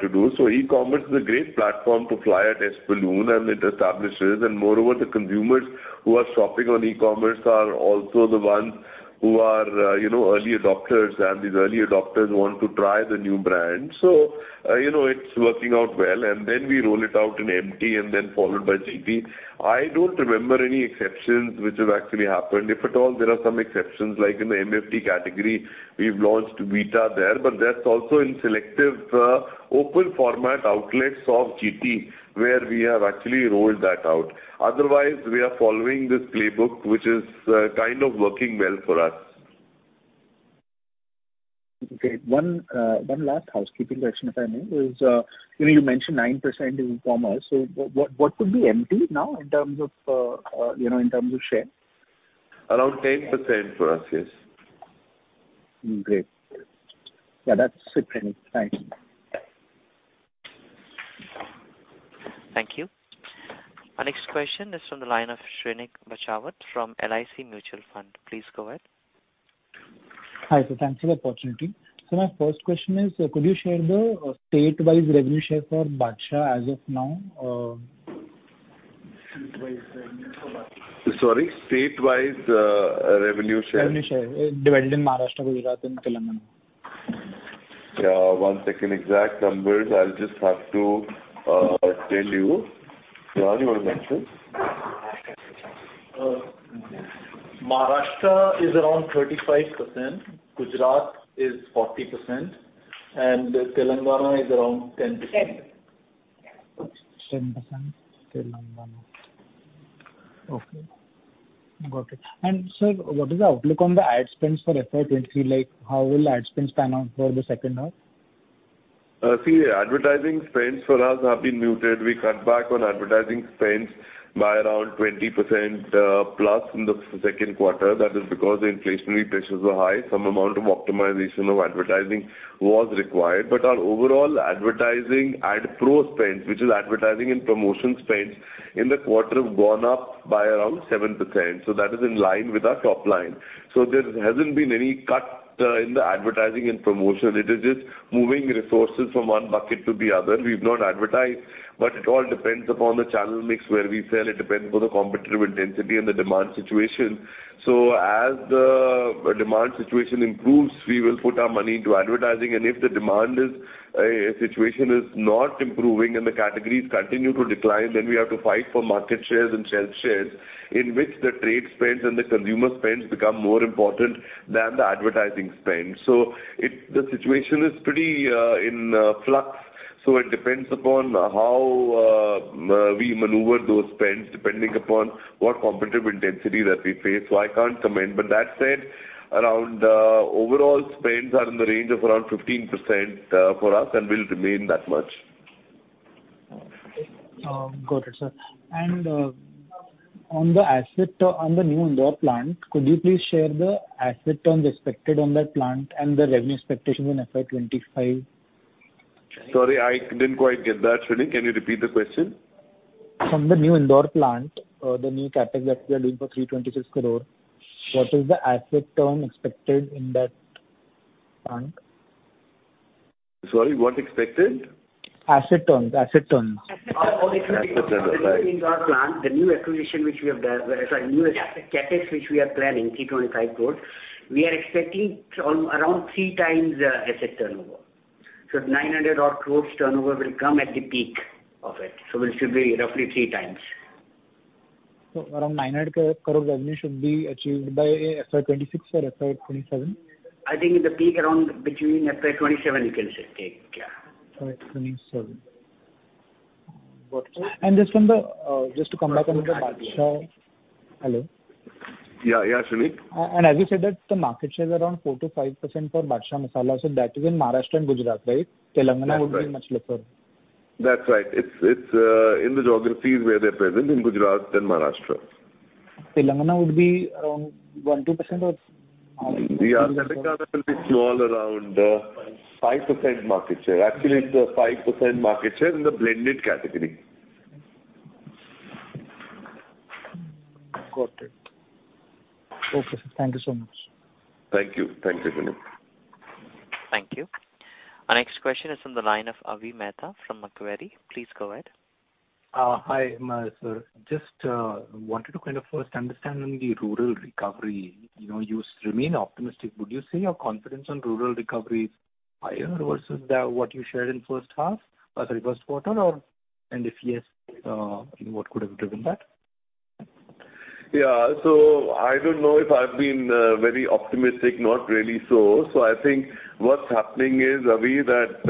to do. E-commerce is a great platform to fly a test balloon, and it establishes. Moreover, the consumers who are shopping on e-commerce are also the ones who are you know early adopters, and these early adopters want to try the new brand. You know, it's working out well, and then we roll it out in MT and then followed by GT. I don't remember any exceptions which have actually happened. If at all, there are some exceptions, like in the MFD category, we've launched Vita there, but that's also in selective, open format outlets of GT, where we have actually rolled that out. Otherwise, we are following this playbook, which is, kind of working well for us. Okay. One last housekeeping question, if I may, is, you know, you mentioned 9% in e-commerce, so what would be MT now in terms of, you know, in terms of share? Around 10% for us. Yes. Great. Yeah, that's it for me. Thanks. Thank you. Our next question is from the line of Shrenik Bachhawat from LIC Mutual Fund. Please go ahead. Hi, sir. Thanks for the opportunity. My first question is, could you share the state-wise revenue share for Badshah as of now? Sorry, state-wise, revenue share. Revenue share divided in Maharashtra, Gujarat and Telangana. Yeah. One second. Exact numbers I'll just have to tell you. Rehan, you wanna mention? Maharashtra is around 35%, Gujarat is 40%, and Telangana is around 10%. 10% Telangana. Okay. Got it. Sir, what is the outlook on the ad spends for FY 23? Like, how will ad spends pan out for the second half? See, advertising spends for us have been muted. We cut back on advertising spends by around 20% plus in the second quarter. That is because the inflationary pressures were high. Some amount of optimization of advertising was required. Our overall advertising, A&P spends, which is advertising and promotion spends in the quarter have gone up by around 7%, so that is in line with our top line. There hasn't been any cut in the advertising and promotion. It is just moving resources from one bucket to the other. We've not advertised, but it all depends upon the channel mix where we sell. It depends on the competitive intensity and the demand situation. If a demand situation improves, we will put our money into advertising. If the demand situation is not improving and the categories continue to decline, then we have to fight for market shares and shelf shares in which the trade spends and the consumer spends become more important than the advertising spend. It's the situation is pretty in flux, so it depends upon how we maneuver those spends depending upon what competitive intensity that we face. I can't comment. That said, our overall spends are in the range of around 15% for us and will remain that much. Got it, sir. On the asset, on the new Indore plant, could you please share the asset terms expected on that plant and the revenue expectations in FY 25? Sorry, I didn't quite get that, Shrenik Bachhawat. Can you repeat the question? From the new Indore plant, the new CapEx that we are doing for 326 crore, what is the asset term expected in that plant? Sorry, what expected? Asset terms. Asset turns. Right. Indore plant, the new acquisition which we have done, sorry, new CapEx which we are planning, 325 crore, we are expecting around 3x asset turnover. Nine hundred odd crores turnover will come at the peak of it. It should be roughly 3x. Around 900 crore revenue should be achieved by FY 2026 or FY 2027? I think in the peak around between FY 2027 you can say, yeah. FY 27. Got it. Just to come back on the Badshah. Hello. Yeah, yeah, Shrenik Bachhawat. As you said that the market share is around 4%-5% for Badshah Masala, so that is in Maharashtra and Gujarat, right? That's right. Telangana would be much lower. That's right. It's in the geographies where they're present in Gujarat and Maharashtra. Telangana would be around 1-2% or The asset cover will be small, around 5% market share. Actually it's a 5% market share in the blended category. Got it. Okay, thank you so much. Thank you. Thank you, Shrenik Bachhawat. Thank you. Our next question is from the line of Avi Mehta from Macquarie. Please go ahead. Hi, sir. Just wanted to kind of first understand on the rural recovery. You know, you remain optimistic. Would you say your confidence on rural recovery is higher versus what you shared in first half or sorry, first quarter? If yes, what could have driven that? Yeah. I don't know if I've been very optimistic. Not really so. I think what's happening is, Avi, that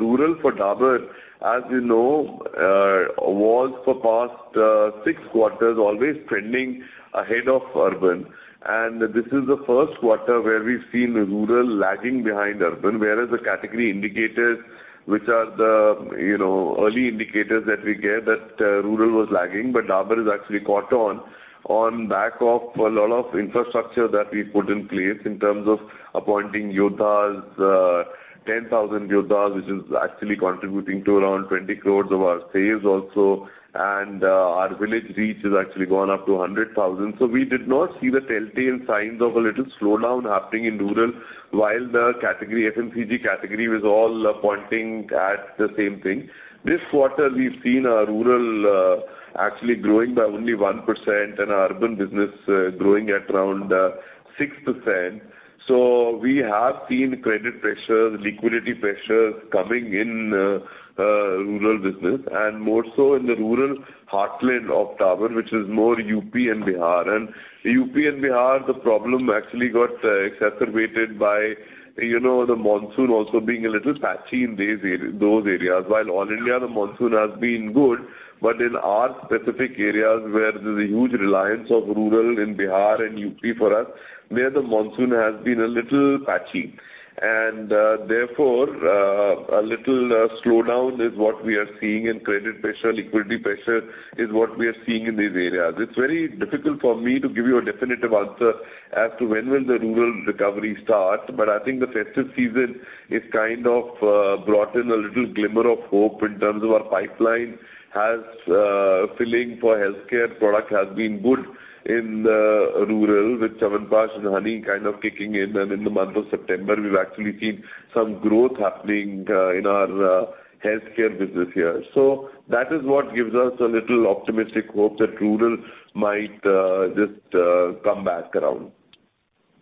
rural for Dabur, as you know, was for past six quarters always trending ahead of urban. This is the first quarter where we've seen rural lagging behind urban, whereas the category indicators which are the, you know, early indicators that we get that rural was lagging. But Dabur has actually caught on back of a lot of infrastructure that we've put in place in terms of appointing Yodhas, 10,000 Yodhas, which is actually contributing to around 20 crore of our sales also. Our village reach has actually gone up to 100,000. We did not see the telltale signs of a little slowdown happening in rural while the category, FMCG category was all pointing at the same thing. This quarter we've seen our rural actually growing by only 1% and our urban business growing at around 6%. We have seen credit pressures, liquidity pressures coming in rural business and more so in the rural heartland of Dabur which is more UP and Bihar. UP and Bihar, the problem actually got exacerbated by, you know, the monsoon also being a little patchy in those areas. While all India the monsoon has been good, but in our specific areas where there's a huge reliance of rural in Bihar and UP for us, there the monsoon has been a little patchy. Therefore, a little slowdown is what we are seeing in credit pressure, liquidity pressure in these areas. It's very difficult for me to give you a definitive answer as to when will the rural recovery start, but I think the festive season is kind of brought in a little glimmer of hope in terms of our pipeline filling for healthcare product has been good in rural with Chyawanprash and honey kind of kicking in. In the month of September, we've actually seen some growth happening in our healthcare business here. That is what gives us a little optimistic hope that rural might just come back around.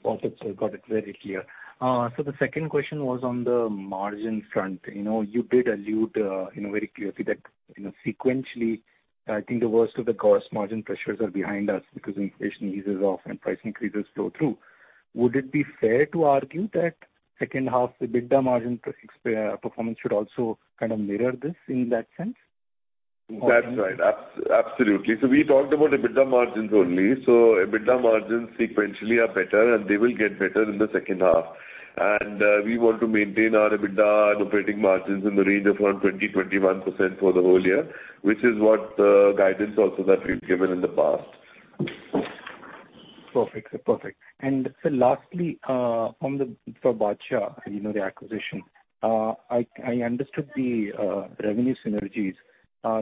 Perfect, sir. Got it. Very clear. The second question was on the margin front. You know, you did allude, you know, very clearly that, you know, sequentially, I think the worst of the gross margin pressures are behind us because inflation eases off and price increases flow through. Would it be fair to argue that second half EBITDA margin performance should also kind of mirror this in that sense? That's right. Absolutely. We talked about EBITDA margins only. EBITDA margins sequentially are better, and they will get better in the second half. We want to maintain our EBITDA and operating margins in the range of around 20%-21% for the whole year, which is what guidance also that we've given in the past. Perfect. Sir, lastly, for Badshah, you know, the acquisition. I understood the revenue synergies.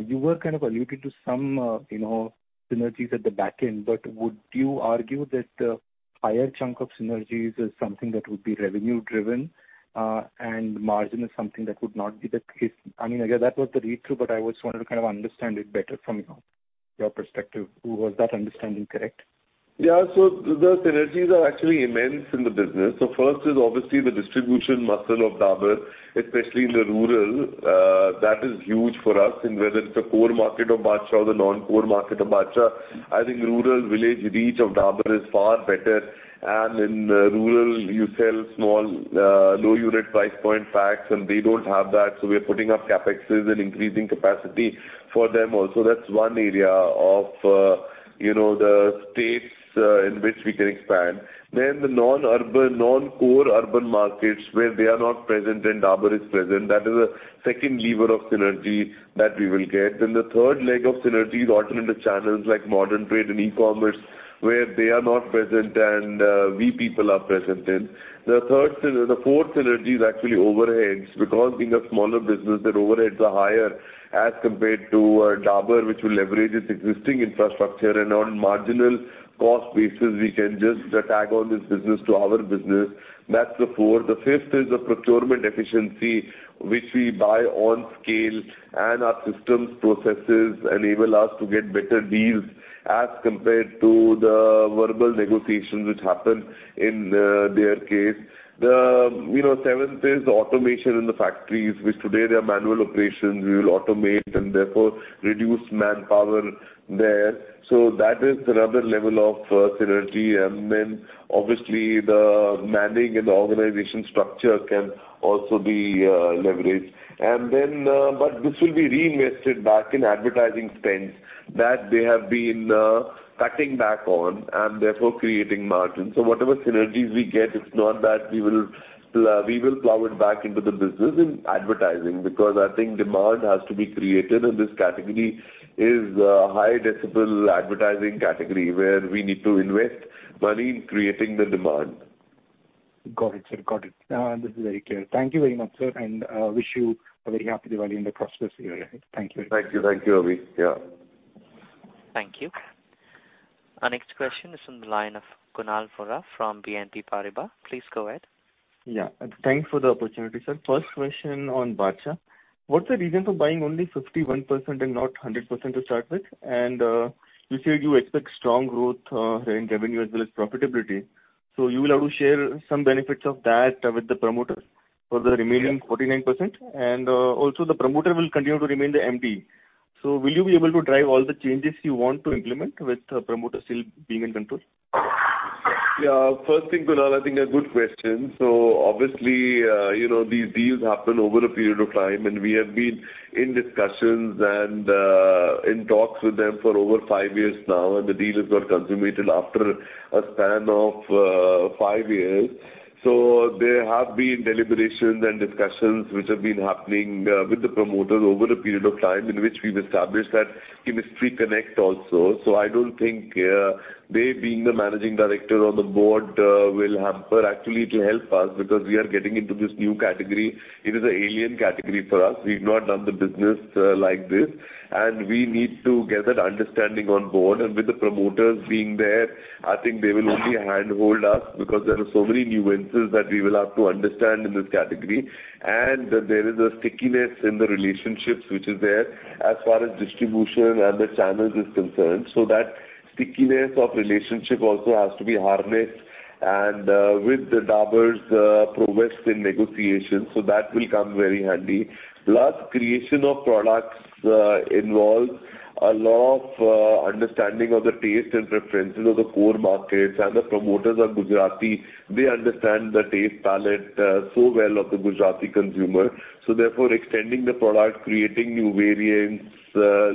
You were kind of alluding to some, you know, synergies at the back end, but would you argue that the higher chunk of synergies is something that would be revenue driven, and margin is something that would not be the case? I mean, I guess that was the read-through, but I just wanted to kind of understand it better from you. Your perspective, was that understanding correct? Yeah. The synergies are actually immense in the business. First is obviously the distribution muscle of Dabur, especially in the rural, that is huge for us in whether it's a core market of Badshah or the non-core market of Badshah. I think rural village reach of Dabur is far better. In rural you sell small, low unit price point packs, and they don't have that, so we are putting up CapEx and increasing capacity for them also. That's one area of, you know, the space, in which we can expand. The non-urban, non-core urban markets where they are not present and Dabur is present, that is a second lever of synergy that we will get. The third leg of synergy is alternate channels like modern trade and e-commerce, where they are not present and, we people are present in. The third synergy. The fourth synergy is actually overheads. Because being a smaller business, their overheads are higher as compared to Dabur, which will leverage its existing infrastructure and on marginal cost basis we can just tag on this business to our business. That's the fourth. The fifth is the procurement efficiency which we buy on scale, and our systems, processes enable us to get better deals as compared to the verbal negotiations which happen in their case. The, you know, seventh is automation in the factories, which today they are manual operations. We will automate and therefore reduce manpower there. That is another level of synergy. Then obviously the manning and organization structure can also be leveraged. Then this will be reinvested back in advertising spends that they have been cutting back on and therefore creating margin. Whatever synergies we get, it's not that we will plow it back into the business in advertising because I think demand has to be created, and this category is a high decibel advertising category where we need to invest money in creating the demand. Got it, sir. This is very clear. Thank you very much, sir, and wish you a very happy Diwali in the prosperous year ahead. Thank you. Thank you. Thank you, Avi. Yeah. Thank you. Our next question is from the line of Kunal Vora from BNP Paribas. Please go ahead. Yeah. Thanks for the opportunity, sir. First question on Badshah. What's the reason for buying only 51% and not 100% to start with? You said you expect strong growth in revenue as well as profitability, so you will have to share some benefits of that with the promoter for the remaining 49%. The promoter will continue to remain the MD. Will you be able to drive all the changes you want to implement with the promoter still being in control? Yeah. First thing, Kunal, I think a good question. Obviously, you know, these deals happen over a period of time, and we have been in discussions and in talks with them for over five years now, and the deal has got consummated after a span of five years. There have been deliberations and discussions which have been happening with the promoter over a period of time in which we've established that chemistry connect also. I don't think they being the Managing Director on the board will hamper. Actually it will help us because we are getting into this new category. It is an alien category for us. We've not done the business like this, and we need to get that understanding on board. With the promoters being there, I think they will only handhold us because there are so many nuances that we will have to understand in this category. There is a stickiness in the relationships which is there as far as distribution and the channels is concerned. That stickiness of relationship also has to be harnessed and, with the Dabur's prowess in negotiations, so that will come very handy. Plus, creation of products involves a lot of understanding of the taste and preferences of the core markets. The promoters are Gujarati, they understand the taste palette so well of the Gujarati consumer. Therefore extending the product, creating new variants,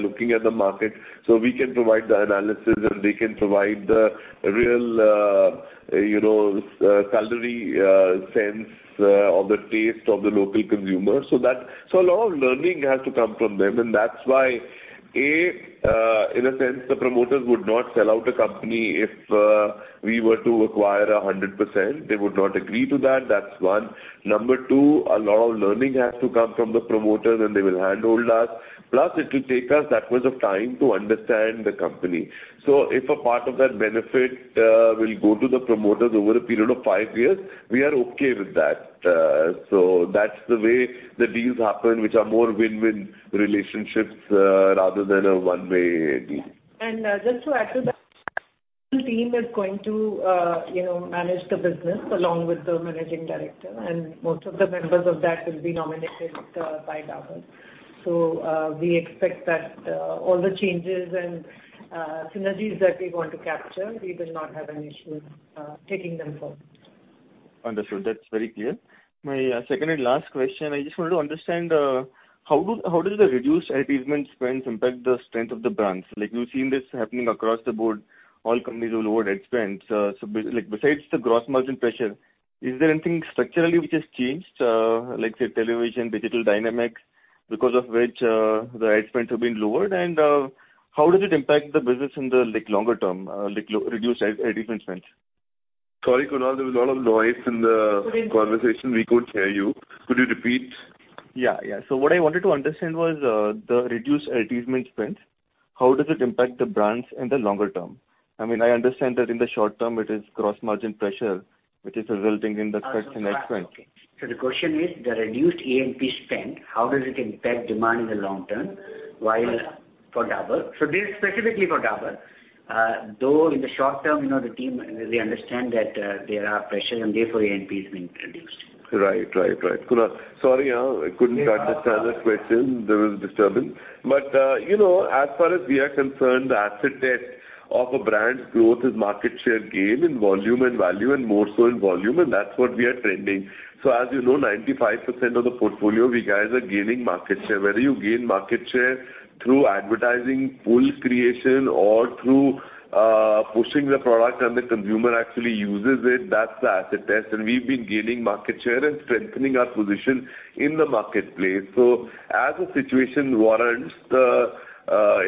looking at the market, so we can provide the analysis and they can provide the real, you know, sensory sense, or the taste of the local consumer. A lot of learning has to come from them. That's why, A, in a sense the promoters would not sell out a company if we were to acquire 100%, they would not agree to that. That's one. Number two, a lot of learning has to come from the promoters and they will handhold us. Plus it will take us decades of time to understand the company. If a part of that benefit will go to the promoters over a period of five years, we are okay with that. That's the way the deals happen, which are more win-win relationships rather than a one-way deal. Just to add to that, the team is going to, you know, manage the business along with the managing director, and most of the members of that will be nominated by Dabur. We expect that all the changes and synergies that we want to capture, we will not have any issue taking them forward. Understood. That's very clear. My second and last question, I just wanted to understand, how does the reduced advertisement spends impact the strength of the brands? Like, we've seen this happening across the board. All companies have lowered ad spends. So like besides the gross margin pressure, is there anything structurally which has changed, like say television, digital dynamics, because of which, the ad spends have been lowered? How does it impact the business in the like longer term, like reduced ad, advertisement spends? Sorry, Kunal, there was a lot of noise in the conversation. We couldn't hear you. Could you repeat? What I wanted to understand was, the reduced advertisement spends, how does it impact the brands in the longer term? I mean, I understand that in the short term it is gross margin pressure which is resulting in the cuts in ad spend. The question is the reduced A&P spend, how does it impact demand in the long term for Dabur? This is specifically for Dabur. Though in the short term, you know, the team, they understand that, there are pressures and therefore A&P is being reduced. Right. Kunal. Sorry, I couldn't understand the question. There was disturbance. You know, as far as we are concerned, the acid test of a brand's growth is market share gain in volume and value, and more so in volume, and that's what we are trending. As you know, 95% of the portfolio we guys are gaining market share. Whether you gain market share through advertising, pull creation or through pushing the product and the consumer actually uses it, that's the acid test. We've been gaining market share and strengthening our position in the marketplace. As the situation warrants, the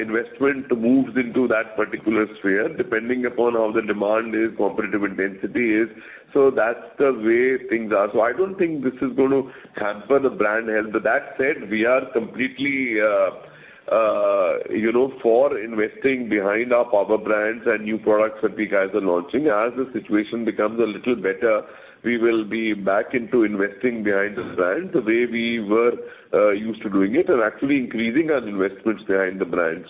investment moves into that particular sphere, depending upon how the demand is, competitive intensity is. That's the way things are. I don't think this is going to hamper the brand health. That said, we are completely, you know, for investing behind our power brands and new products that we guys are launching. As the situation becomes a little better, we will be back into investing behind the brand the way we were used to doing it, and actually increasing our investments behind the brand.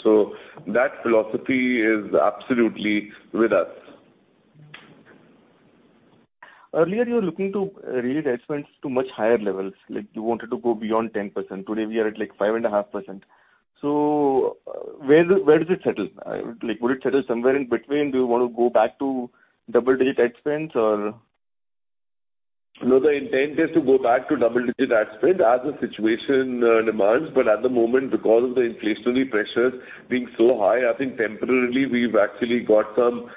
That philosophy is absolutely with us. Earlier you were looking to raise ad spends to much higher levels, like you wanted to go beyond 10%. Today we are at, like, 5.5%. Where does it settle? Like, would it settle somewhere in between? Do you want to go back to double-digit ad spends or. No, the intent is to go back to double-digit ad spend as the situation demands. At the moment, because of the inflationary pressures being so high, I think temporarily we've actually got some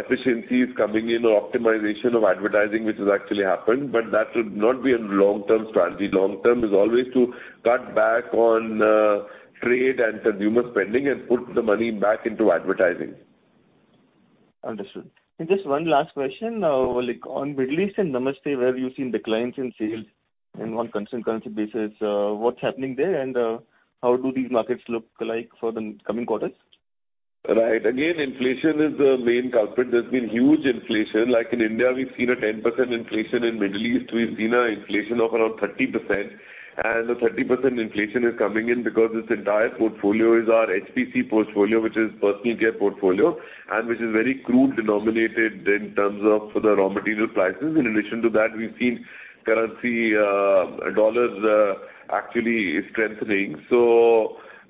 efficiencies coming in or optimization of advertising, which has actually happened. That would not be a long-term strategy. Long-term is always to cut back on trade and consumer spending and put the money back into advertising. Understood. Just one last question. Like, on Middle East and Namaste, where you've seen declines in sales on a constant currency basis, what's happening there, and how do these markets look like for the coming quarters? Right. Again, inflation is the main culprit. There's been huge inflation. Like in India, we've seen a 10% inflation. In Middle East, we've seen an inflation of around 30%. The 30% inflation is coming in because this entire portfolio is our HPC portfolio, which is personal care portfolio and which is very crude denominated in terms of the raw material prices. In addition to that, we've seen currency, dollars, actually strengthening.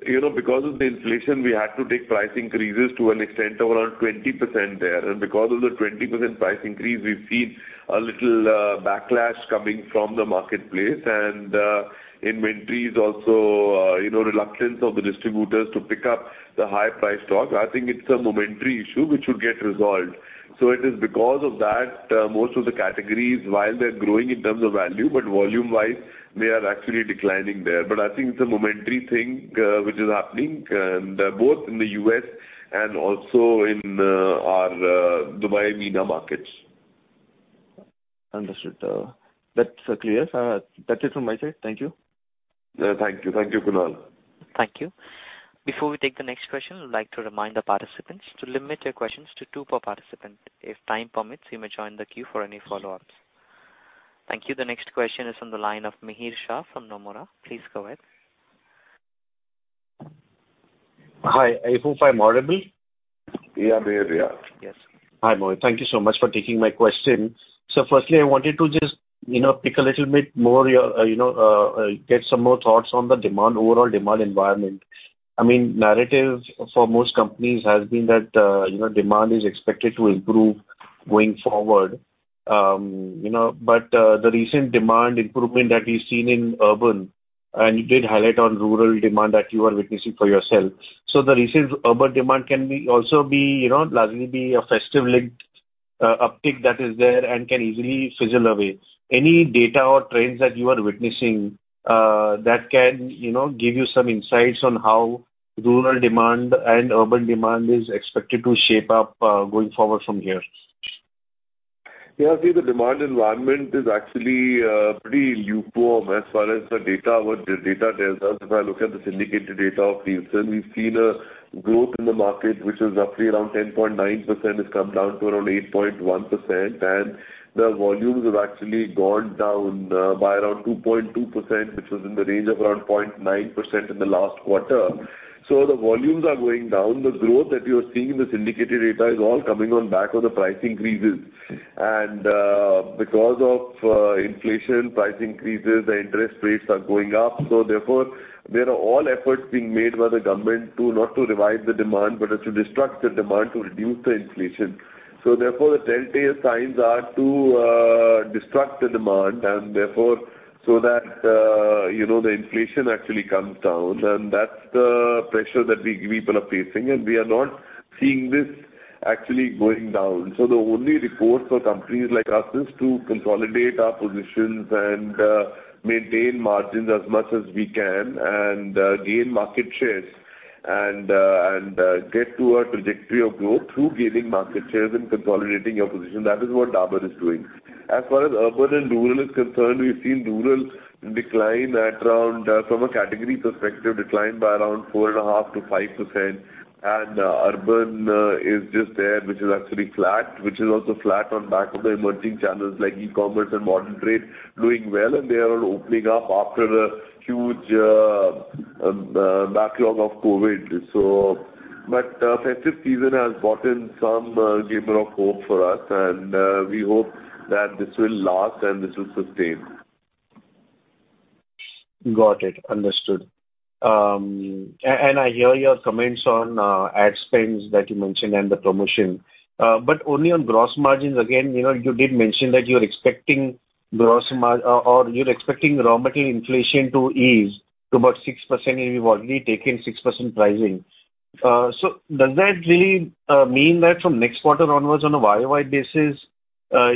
You know, because of the inflation, we had to take price increases to an extent of around 20% there. Because of the 20% price increase, we've seen a little backlash coming from the marketplace. Inventories also, you know, reluctance of the distributors to pick up the high price stock. I think it's a momentary issue which would get resolved. It is because of that, most of the categories, while they're growing in terms of value, but volume-wise they are actually declining there. I think it's a momentary thing, which is happening, both in the U.S. and also in our Dubai-MENA markets. Understood. That's clear. That's it from my side. Thank you. Yeah, thank you. Thank you, Kunal. Thank you. Before we take the next question, I would like to remind the participants to limit your questions to two per participant. If time permits, you may join the queue for any follow-ups. Thank you. The next question is from the line of Mihir Shah from Nomura. Please go ahead. Hi, I hope I'm audible. Yeah. We hear you. Yes. Hi, Mohit. Thank you so much for taking my question. Firstly, I wanted to just, you know, pick a little bit more your, get some more thoughts on the demand, overall demand environment. I mean, narrative for most companies has been that, you know, demand is expected to improve going forward. You know, but, the recent demand improvement that we've seen in urban, and you did highlight on rural demand that you are witnessing for yourself. The recent urban demand can also be largely a festive-linked, uptick that is there and can easily fizzle away. Any data or trends that you are witnessing, that can, you know, give you some insights on how rural demand and urban demand is expected to shape up, going forward from here? Yeah. See, the demand environment is actually pretty lukewarm as far as the data, what the data tells us. If I look at the syndicated data of Nielsen, we've seen a growth in the market which was roughly around 10.9%, has come down to around 8.1%. The volumes have actually gone down by around 2.2%, which was in the range of around 0.9% in the last quarter. The volumes are going down. The growth that you're seeing in the syndicated data is all coming on the back of price increases. Because of inflation, price increases, the interest rates are going up. Therefore there are all efforts being made by the government not to revive the demand, but to destruct the demand to reduce the inflation. Therefore the telltale signs are to restrict the demand, and therefore so that you know the inflation actually comes down. That's the pressure that we people are facing, and we are not seeing this actually going down. The only recourse for companies like us is to consolidate our positions and maintain margins as much as we can and gain market shares. And get to a trajectory of growth through gaining market shares and consolidating your position. That is what Dabur is doing. As far as urban and rural is concerned, we've seen rural decline at around from a category perspective, decline by around 4.5% to 5%. Urban is just there, which is actually flat, which is also flat on back of the emerging channels like e-commerce and modern trade doing well, and they are all opening up after a huge backlog of COVID. Festive season has brought in some glimmer of hope for us, and we hope that this will last and this will sustain. Got it. Understood. I hear your comments on ad spends that you mentioned and the promotion. Only on gross margins, again, you know, you did mention that you're expecting raw material inflation to ease to about 6%, and you've already taken 6% pricing. Does that really mean that from next quarter onwards on a YOY basis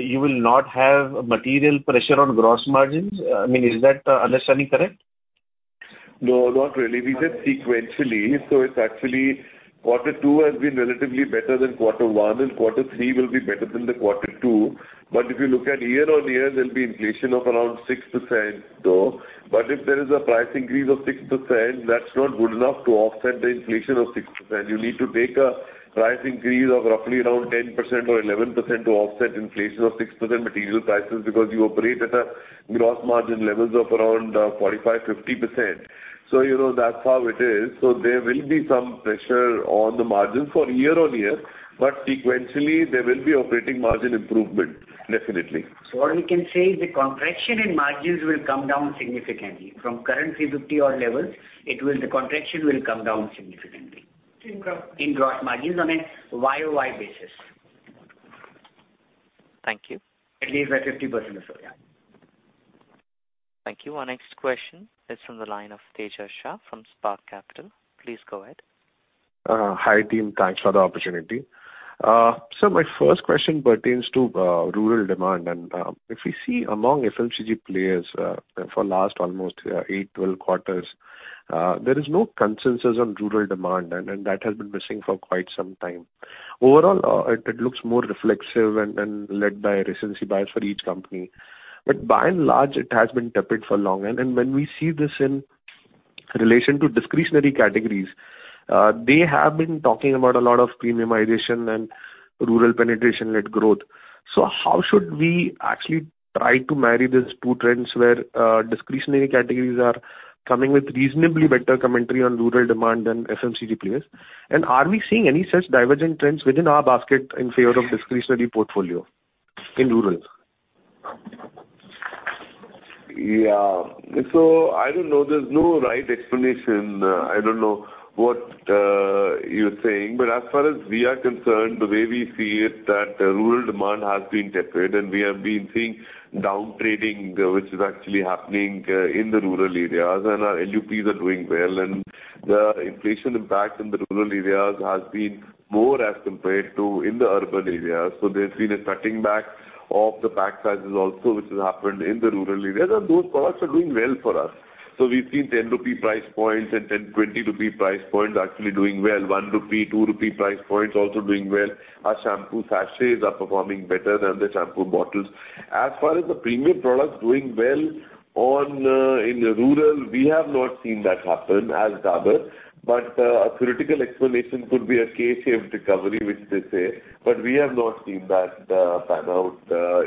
you will not have material pressure on gross margins? I mean, is that understanding correct? No, not really. We said sequentially, so it's actually quarter two has been relatively better than quarter one, and quarter three will be better than the quarter two. If you look at year-on-year, there'll be inflation of around 6%, though. If there is a price increase of 6%, that's not good enough to offset the inflation of 6%. You need to take a price increase of roughly around 10% or 11% to offset inflation of 6% material prices, because you operate at gross margin levels of around 45%, 50%. You know, that's how it is. There will be some pressure on the margins for year-on-year, but sequentially there will be operating margin improvement, definitely. All we can say is the contraction in margins will come down significantly from current 350-odd levels. In gross- In gross margins on a YOY basis. Thank you. At least by 50% or so, yeah. Thank you. Our next question is from the line of Tejash Shah from Spark Capital. Please go ahead. Hi team. Thanks for the opportunity. So my first question pertains to rural demand. If we see among FMCG players, for last almost eight to 12 quarters, there is no consensus on rural demand and that has been missing for quite some time. Overall, it looks more reflexive and led by recency bias for each company. But by and large, it has been tepid for long. When we see this in relation to discretionary categories, they have been talking about a lot of premiumization and rural penetration-led growth. How should we actually try to marry these two trends where discretionary categories are coming with reasonably better commentary on rural demand than FMCG players? Are we seeing any such divergent trends within our basket in favor of discretionary portfolio in rural? Yeah. I don't know. There's no right explanation. I don't know what you're saying, but as far as we are concerned, the way we see it, that rural demand has been tepid and we have been seeing down trading, which is actually happening, in the rural areas and our LUPs are doing well. The inflation impact in the rural areas has been more as compared to in the urban areas. There's been a cutting back of the pack sizes also which has happened in the rural areas, and those products are doing well for us. We've seen 10 rupee price points and 10, 20 rupee price points actually doing well. 1 rupee, 2 rupee price points also doing well. Our shampoo sachets are performing better than the shampoo bottles. As far as the premium products doing well on in rural, we have not seen that happen as Dabur. A theoretical explanation could be a K-shaped recovery, which they say, but we have not seen that pan out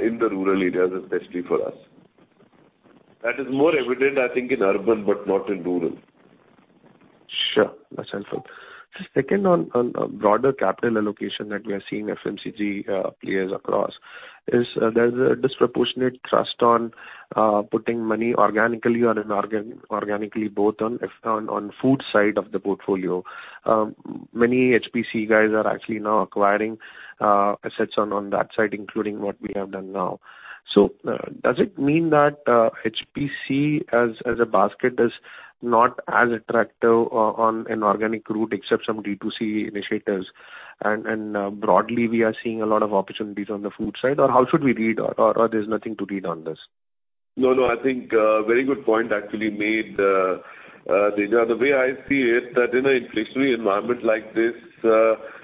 in the rural areas, especially for us. That is more evident I think in urban, but not in rural. Sure. That's helpful. Second, on broader capital allocation that we are seeing across FMCG players is, there's a disproportionate thrust on putting money organically or inorganically both on food side of the portfolio. Many HPC guys are actually now acquiring assets on that side, including what we have done now. Does it mean that HPC as a basket is not as attractive on an organic route except some D2C initiatives, and broadly, we are seeing a lot of opportunities on the food side? Or how should we read? Or there's nothing to read on this? No, no, I think, very good point actually made, Tejash. The way I see it, that in an inflationary environment like this,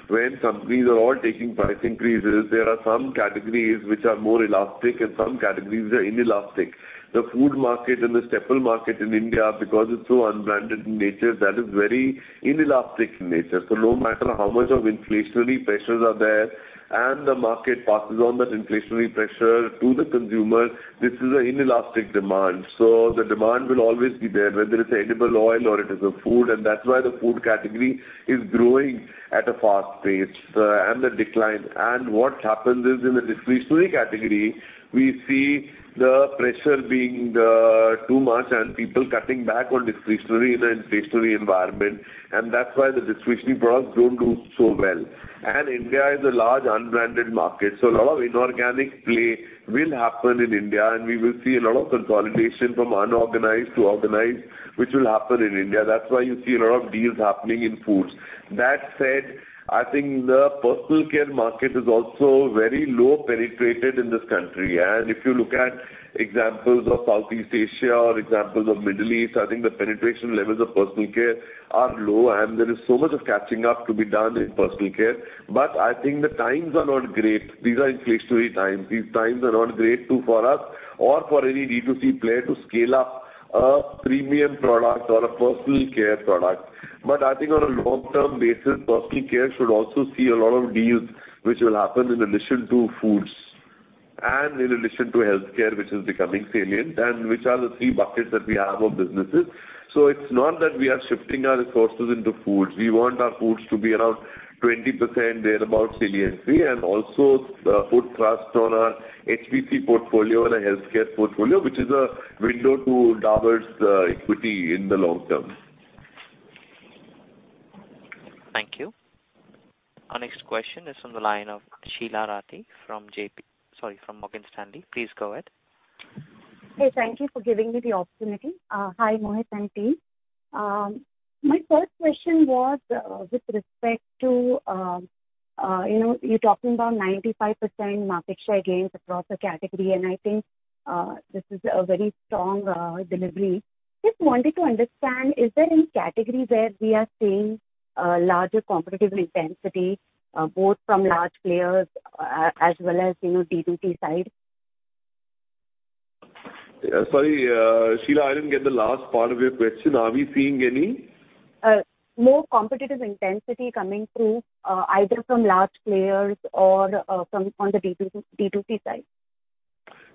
when companies are all taking price increases, there are some categories which are more elastic and some categories are inelastic. The food market and the staple market in India, because it's so unbranded in nature, that is very inelastic in nature. No matter how much of inflationary pressures are there and the market passes on that inflationary pressure to the consumer, this is an inelastic demand. The demand will always be there, whether it's edible oil or it is a food, and that's why the food category is growing at a fast pace, and the decline. What happens is, in the discretionary category, we see the pressure being too much and people cutting back on discretionary in an inflationary environment, and that's why the discretionary products don't do so well. India is a large unbranded market, so a lot of inorganic play will happen in India, and we will see a lot of consolidation from unorganized to organized, which will happen in India. That's why you see a lot of deals happening in food. That said, I think the personal care market is also very low penetrated in this country. If you look at examples of Southeast Asia or examples of Middle East, I think the penetration levels of personal care are low, and there is so much of catching up to be done in personal care. I think the times are not great. These are inflationary times. These times are not great for us or for any D2C player to scale up a premium product or a personal care product. I think on a long-term basis, personal care should also see a lot of deals which will happen in addition to foods and in addition to healthcare, which is becoming salient, and which are the three buckets that we have of businesses. It's not that we are shifting our resources into foods. We want our foods to be around 20%, thereabout saliency, and also put trust on our HPC portfolio and our healthcare portfolio, which is a window to Dabur's equity in the long term. Thank you. Our next question is from the line of Sheela Rathi from Morgan Stanley. Please go ahead. Hey, thank you for giving me the opportunity. Hi, Mohit and team. My first question was with respect to, you know, you're talking about 95% market share gains across the category, and I think this is a very strong delivery. Just wanted to understand, is there any category where we are seeing larger competitive intensity both from large players as well as, you know, D2C side? Yeah. Sorry, Sheela, I didn't get the last part of your question. Are we seeing any? More competitive intensity coming through, either from large players or from the D2C side.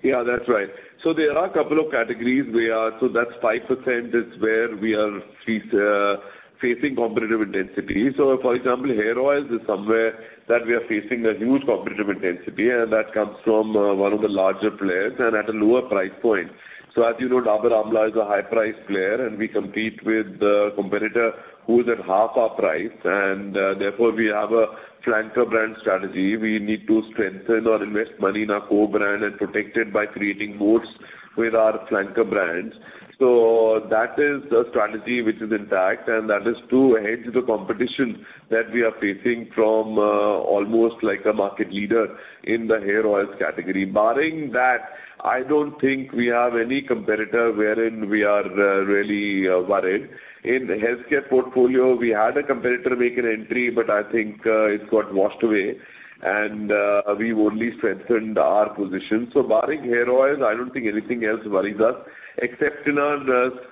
Yeah, that's right. There are a couple of categories we are facing competitive intensity. That's 5% where we are facing competitive intensity. For example, hair oils is somewhere that we are facing a huge competitive intensity, and that comes from one of the larger players and at a lower price point. As you know, Dabur Amla is a high price player, and we compete with the competitor who is at half our price. Therefore, we have a flanker brand strategy. We need to strengthen or invest money in our core brand and protect it by creating moats with our flanker brands. That is the strategy which is intact, and that is to hedge the competition that we are facing from almost like a market leader in the hair oils category. Barring that, I don't think we have any competitor wherein we are really worried. In the healthcare portfolio, we had a competitor make an entry, but I think it got washed away, and we've only strengthened our position. Barring hair oils, I don't think anything else worries us. Except in our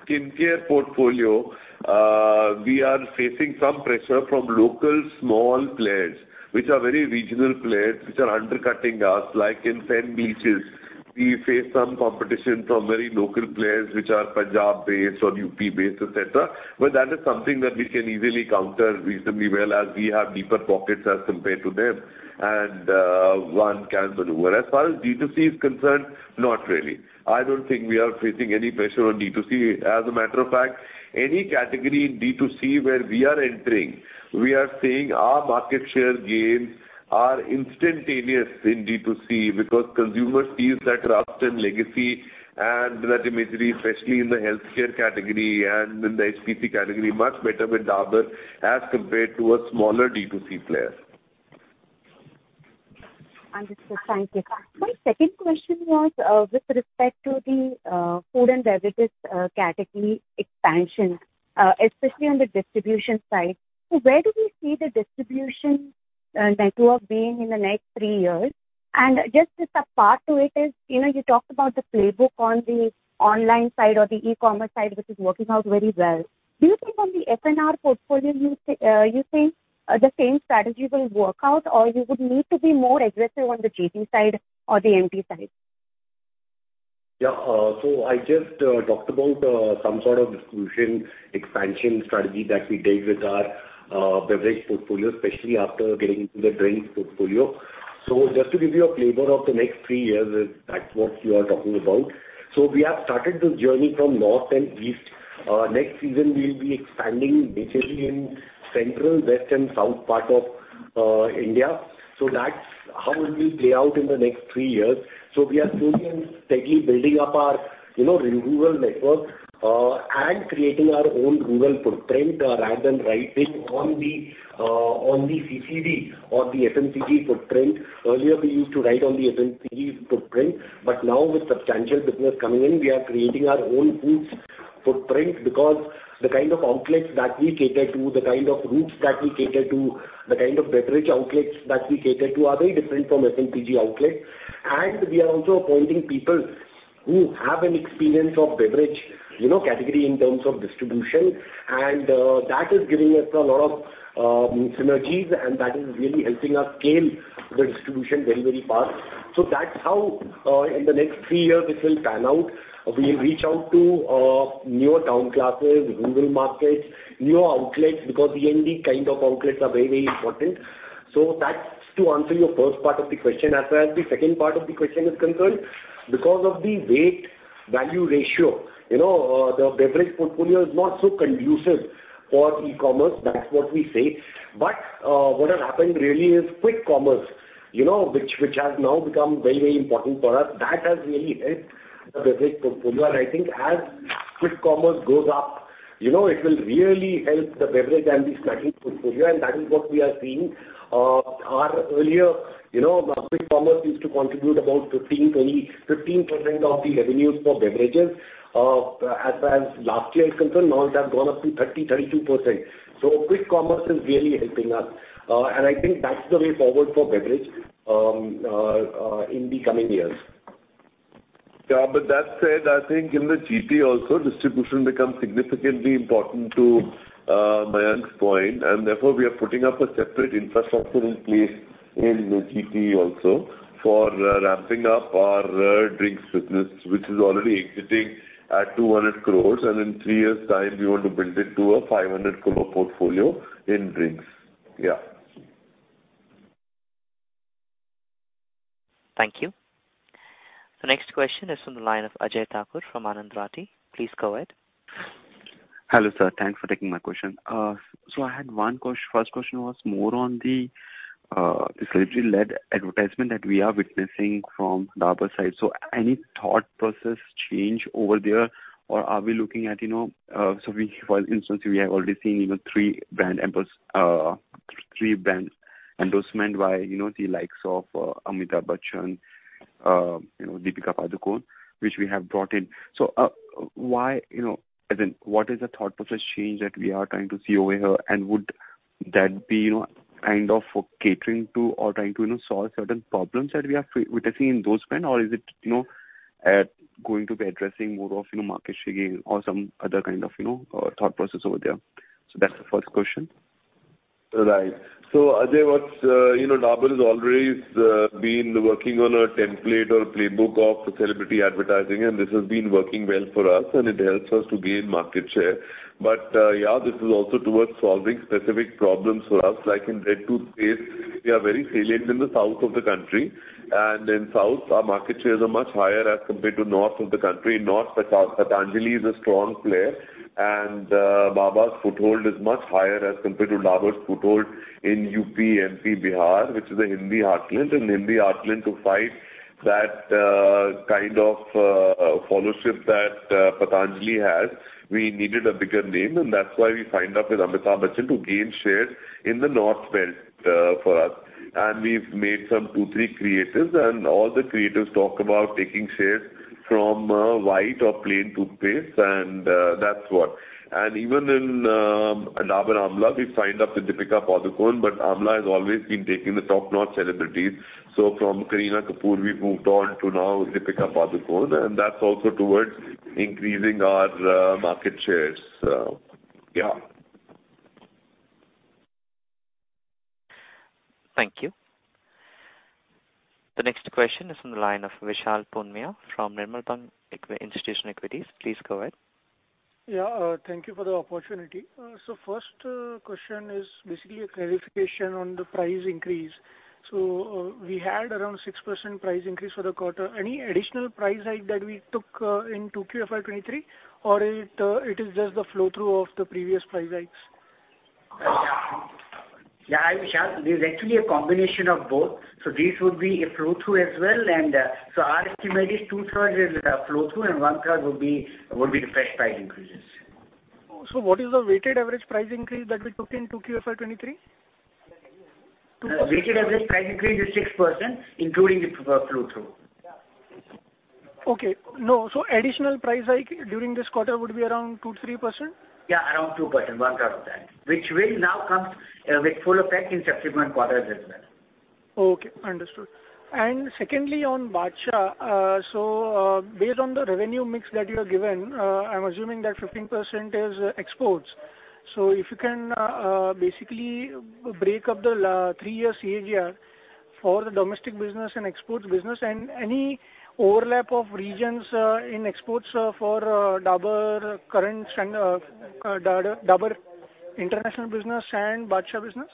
skincare portfolio, we are facing some pressure from local small players, which are very regional players which are undercutting us, like in sunscreens. We face some competition from very local players which are Punjab-based or UP-based, et cetera. That is something that we can easily counter reasonably well as we have deeper pockets as compared to them, and one can maneuver. As far as D2C is concerned, not really. I don't think we are facing any pressure on D2C. As a matter of fact, any category in D2C where we are entering, we are seeing our market share gains are instantaneous in D2C because consumer feels that trust and legacy and that imagery, especially in the healthcare category and in the HPC category, much better with Dabur as compared to a smaller D2C player. Understood. Thank you. My second question was, with respect to the food and beverages category expansion, especially on the distribution side. So where do we see the distribution network being in the next three years? And just as a part to it is, you know, you talked about the playbook on the online side or the e-commerce side, which is working out very well. Do you think on the F&B portfolio you think the same strategy will work out, or you would need to be more aggressive on the GT side or the MT side? Yeah. I just talked about some sort of distribution expansion strategy that we take with our beverage portfolio, especially after getting into the drinks portfolio. Just to give you a flavor of the next three years is that's what you are talking about. We have started this journey from North and East. Next season we'll be expanding basically in Central, West, and South part of India. That's how it will play out in the next three years. We are slowly and steadily building up our, you know, rural network and creating our own rural footprint rather than riding on the CSD or the FMCG footprint. Earlier, we used to ride on the FMCG footprint, but now with substantial business coming in, we are creating our own foods footprint because the kind of outlets that we cater to, the kind of routes that we cater to, the kind of beverage outlets that we cater to are very different from FMCG outlets. We are also appointing people who have an experience of beverage, you know, category in terms of distribution. That is giving us a lot of synergies, and that is really helping us scale the distribution very, very fast. That's how, in the next three years this will pan out. We'll reach out to newer town classes, rural markets, newer outlets, because the end kind of outlets are very, very important. That's to answer your first part of the question. As far as the second part of the question is concerned, because of the weight-value ratio, you know, the beverage portfolio is not so conducive for e-commerce. That's what we say. What has happened really is quick commerce, you know, which has now become very, very important for us. That has really helped the beverage portfolio. I think as quick commerce goes up. You know, it will really help the beverage and the snacking portfolio, and that is what we are seeing. Our earlier, you know, quick commerce used to contribute about 15%, 20%, 15% of the revenues for beverages. As far as last year is concerned, now it has gone up to 30%, 32%. Quick commerce is really helping us. I think that's the way forward for beverage in the coming years. Yeah, that said, I think in the GP also, distribution becomes significantly important to Mayank's point, and therefore we are putting up a separate infrastructure in place in the GP also for ramping up our drinks business, which is already existing at 200 crore and in three years' time we want to build it to a 500 crore portfolio in drinks. Yeah. Thank you. The next question is from the line of Ajay Thakur from Anand Rathi. Please go ahead. Hello, sir. Thanks for taking my question. I had one question was more on the celebrity-led advertisement that we are witnessing from the other side. Any thought process change over there, or are we looking at, you know, for instance, we have already seen, you know, three brands endorsement by, you know, the likes of Amitabh Bachchan, you know, Deepika Padukone, which we have brought in. Why, you know, as in, what is the thought process change that we are trying to see over here? Would that be, you know, kind of catering to or trying to, you know, solve certain problems that we are witnessing in those brands? is it, you know, going to be addressing more of, you know, market sharing or some other kind of, you know, thought process over there? That's the first question. Right. Ajay, what's, you know, Dabur has always been working on a template or playbook of celebrity advertising, and this has been working well for us, and it helps us to gain market share. Yeah, this is also towards solving specific problems for us. Like in Red Paste, we are very salient in the south of the country, and in south our market shares are much higher as compared to north of the country. North, Patanjali is a strong player, and Baba's foothold is much higher as compared to Dabur's foothold in UP, MP, Bihar, which is a Hindi heartland. In Hindi heartland to fight that, kind of, followership that Patanjali has, we needed a bigger name, and that's why we signed up with Amitabh Bachchan to gain shares in the north belt, for us. We've made some two, three creatives and all the creatives talk about taking shares from white or plain toothpaste and that's what. Even in Dabur Amla, we've signed up with Deepika Padukone, but Amla has always been taking the top-notch celebrities. From Kareena Kapoor, we've moved on to now Deepika Padukone, and that's also towards increasing our market shares. Thank you. The next question is from the line of Vishal Punmiya from Nirmal Bang Institutional Equities. Please go ahead. Yeah. Thank you for the opportunity. First question is basically a clarification on the price increase. We had around 6% price increase for the quarter. Any additional price hike that we took in Q2 FY 2023 or it is just the flow through of the previous price hikes? Yeah, Vishal. There's actually a combination of both. This would be a flow through as well. Our estimate is two-thirds is a flow through and 1/3 would be the fresh price increases. What is the weighted average price increase that we took in Q2 FY 2023? Weighted average price increase is 6%, including the full flow-through. Additional price hike during this quarter would be around 2% to 3%? Yeah, around 2%, 1/3 of that, which will now come with full effect in subsequent quarters as well. Okay, understood. Secondly, on Badshah. Based on the revenue mix that you have given, I'm assuming that 15% is exports. If you can basically break up the three year CAGR for the domestic business and exports business and any overlap of regions in exports for Dabur current and Dabur international business and Badshah business.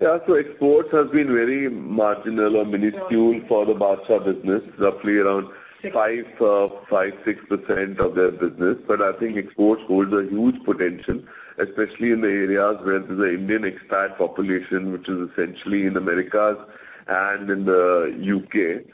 Yeah. Exports has been very marginal or minuscule for the Badshah business, roughly around 5-6% of their business. I think exports holds a huge potential, especially in the areas where there's an Indian expat population, which is essentially in Americas and in the UK.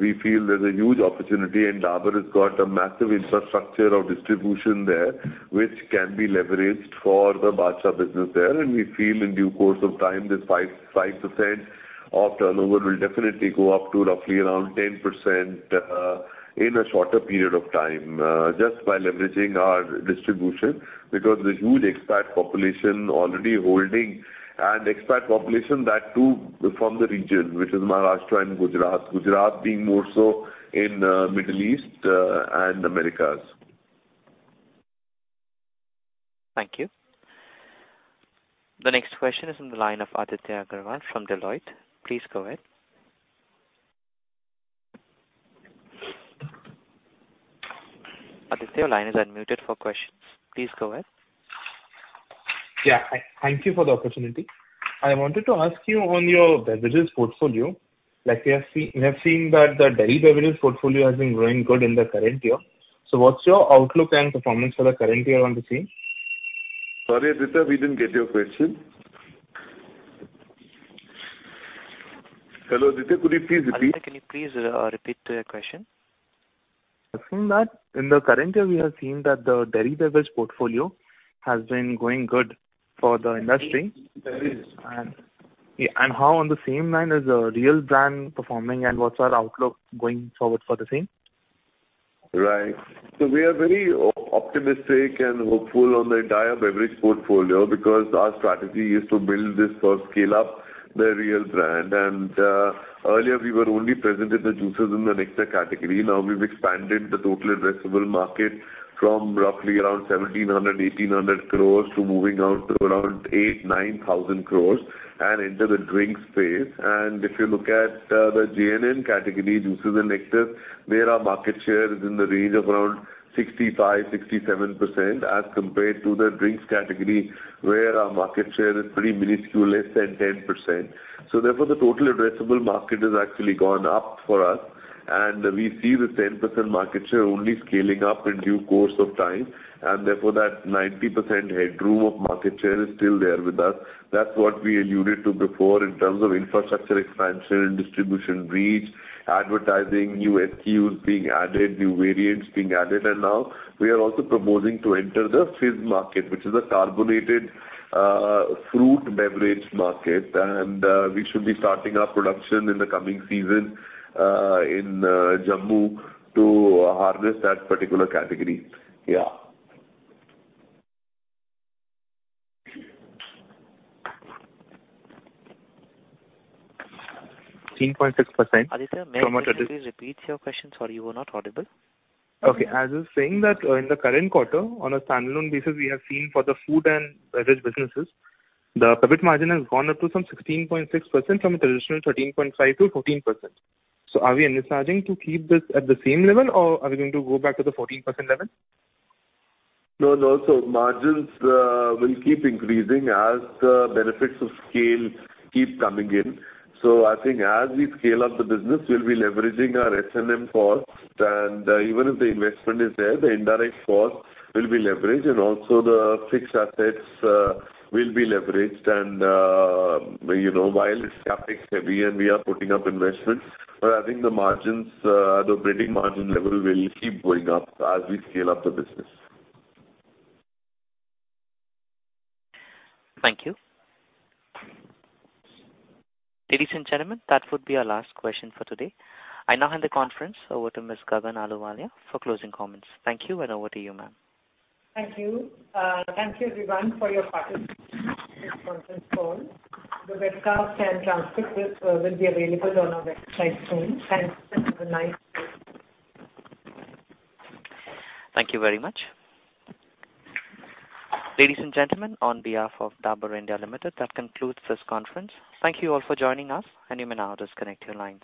We feel there's a huge opportunity, and Dabur has got a massive infrastructure of distribution there, which can be leveraged for the Badshah business there. We feel in due course of time, this 5% of turnover will definitely go up to roughly around 10%, in a shorter period of time, just by leveraging our distribution. Because the huge expat population already holding, and expat population that too from the region, which is Maharashtra and Gujarat. Gujarat being more so in Middle East, and Americas. Thank you. The next question is on the line of Aditya Agarwal from Deloitte. Please go ahead. Aditya, your line is unmuted for questions. Please go ahead. Yeah. Thank you for the opportunity. I wanted to ask you on your beverages portfolio, like we have seen that the dairy beverages portfolio has been growing good in the current year. What's your outlook and performance for the current year on the same? Sorry, Aditya. We didn't get your question. Hello, Aditya, could you please repeat? Aditya, can you please, repeat your question? Asking that in the current year, we have seen that the dairy beverage portfolio has been going good for the industry. Beverages. How along the same lines is the Réal brand performing, and what's our outlook going forward for the same? Right. We are very optimistic and hopeful on the entire beverage portfolio because our strategy is to build this or scale up the Réal brand. Earlier, we were only present in the juices and the nectar category. Now we've expanded the total addressable market from roughly around 1,700-1,800 crores to moving out to around 8,000-9,000 crores and into the drinks space. If you look at the JNN category, juices and nectars, there our market share is in the range of around 65% to 67% as compared to the drinks category, where our market share is pretty minuscule, less than 10%. Therefore, the total addressable market has actually gone up for us, and we see the 10% market share only scaling up in due course of time. Therefore, that 90% headroom of market share is still there with us. That's what we alluded to before in terms of infrastructure expansion, distribution reach, advertising, new SKUs being added, new variants being added. Now we are also proposing to enter the fizz market, which is a carbonated fruit beverage market. We should be starting our production in the coming season in Jammu to harvest that particular category. 16.6%. Aditya, may I kindly repeat your question? Sorry, you were not audible. Okay. I was saying that in the current quarter, on a standalone basis, we have seen for the food and beverage businesses, the EBIT margin has gone up to some 16.6% from a traditional 13.5% to 14%. Are we envisaging to keep this at the same level, or are we going to go back to the 14% level? No, no. Margins will keep increasing as the benefits of scale keep coming in. I think as we scale up the business, we'll be leveraging our S&M force. Even if the investment is there, the indirect force will be leveraged, and also the fixed assets will be leveraged. You know, while it's CapEx heavy and we are putting up investments, but I think the margins, the operating margin level will keep going up as we scale up the business. Thank you. Ladies and gentlemen, that would be our last question for today. I now hand the conference over to Ms. Gagan Ahluwalia for closing comments. Thank you, and over to you, ma'am. Thank you. Thank you everyone for your participation in this conference call. The webcast and transcript will be available on our website soon. Thanks, and have a nice day. Thank you very much. Ladies and gentlemen, on behalf of Dabur India Limited, that concludes this conference. Thank you all for joining us, and you may now disconnect your lines.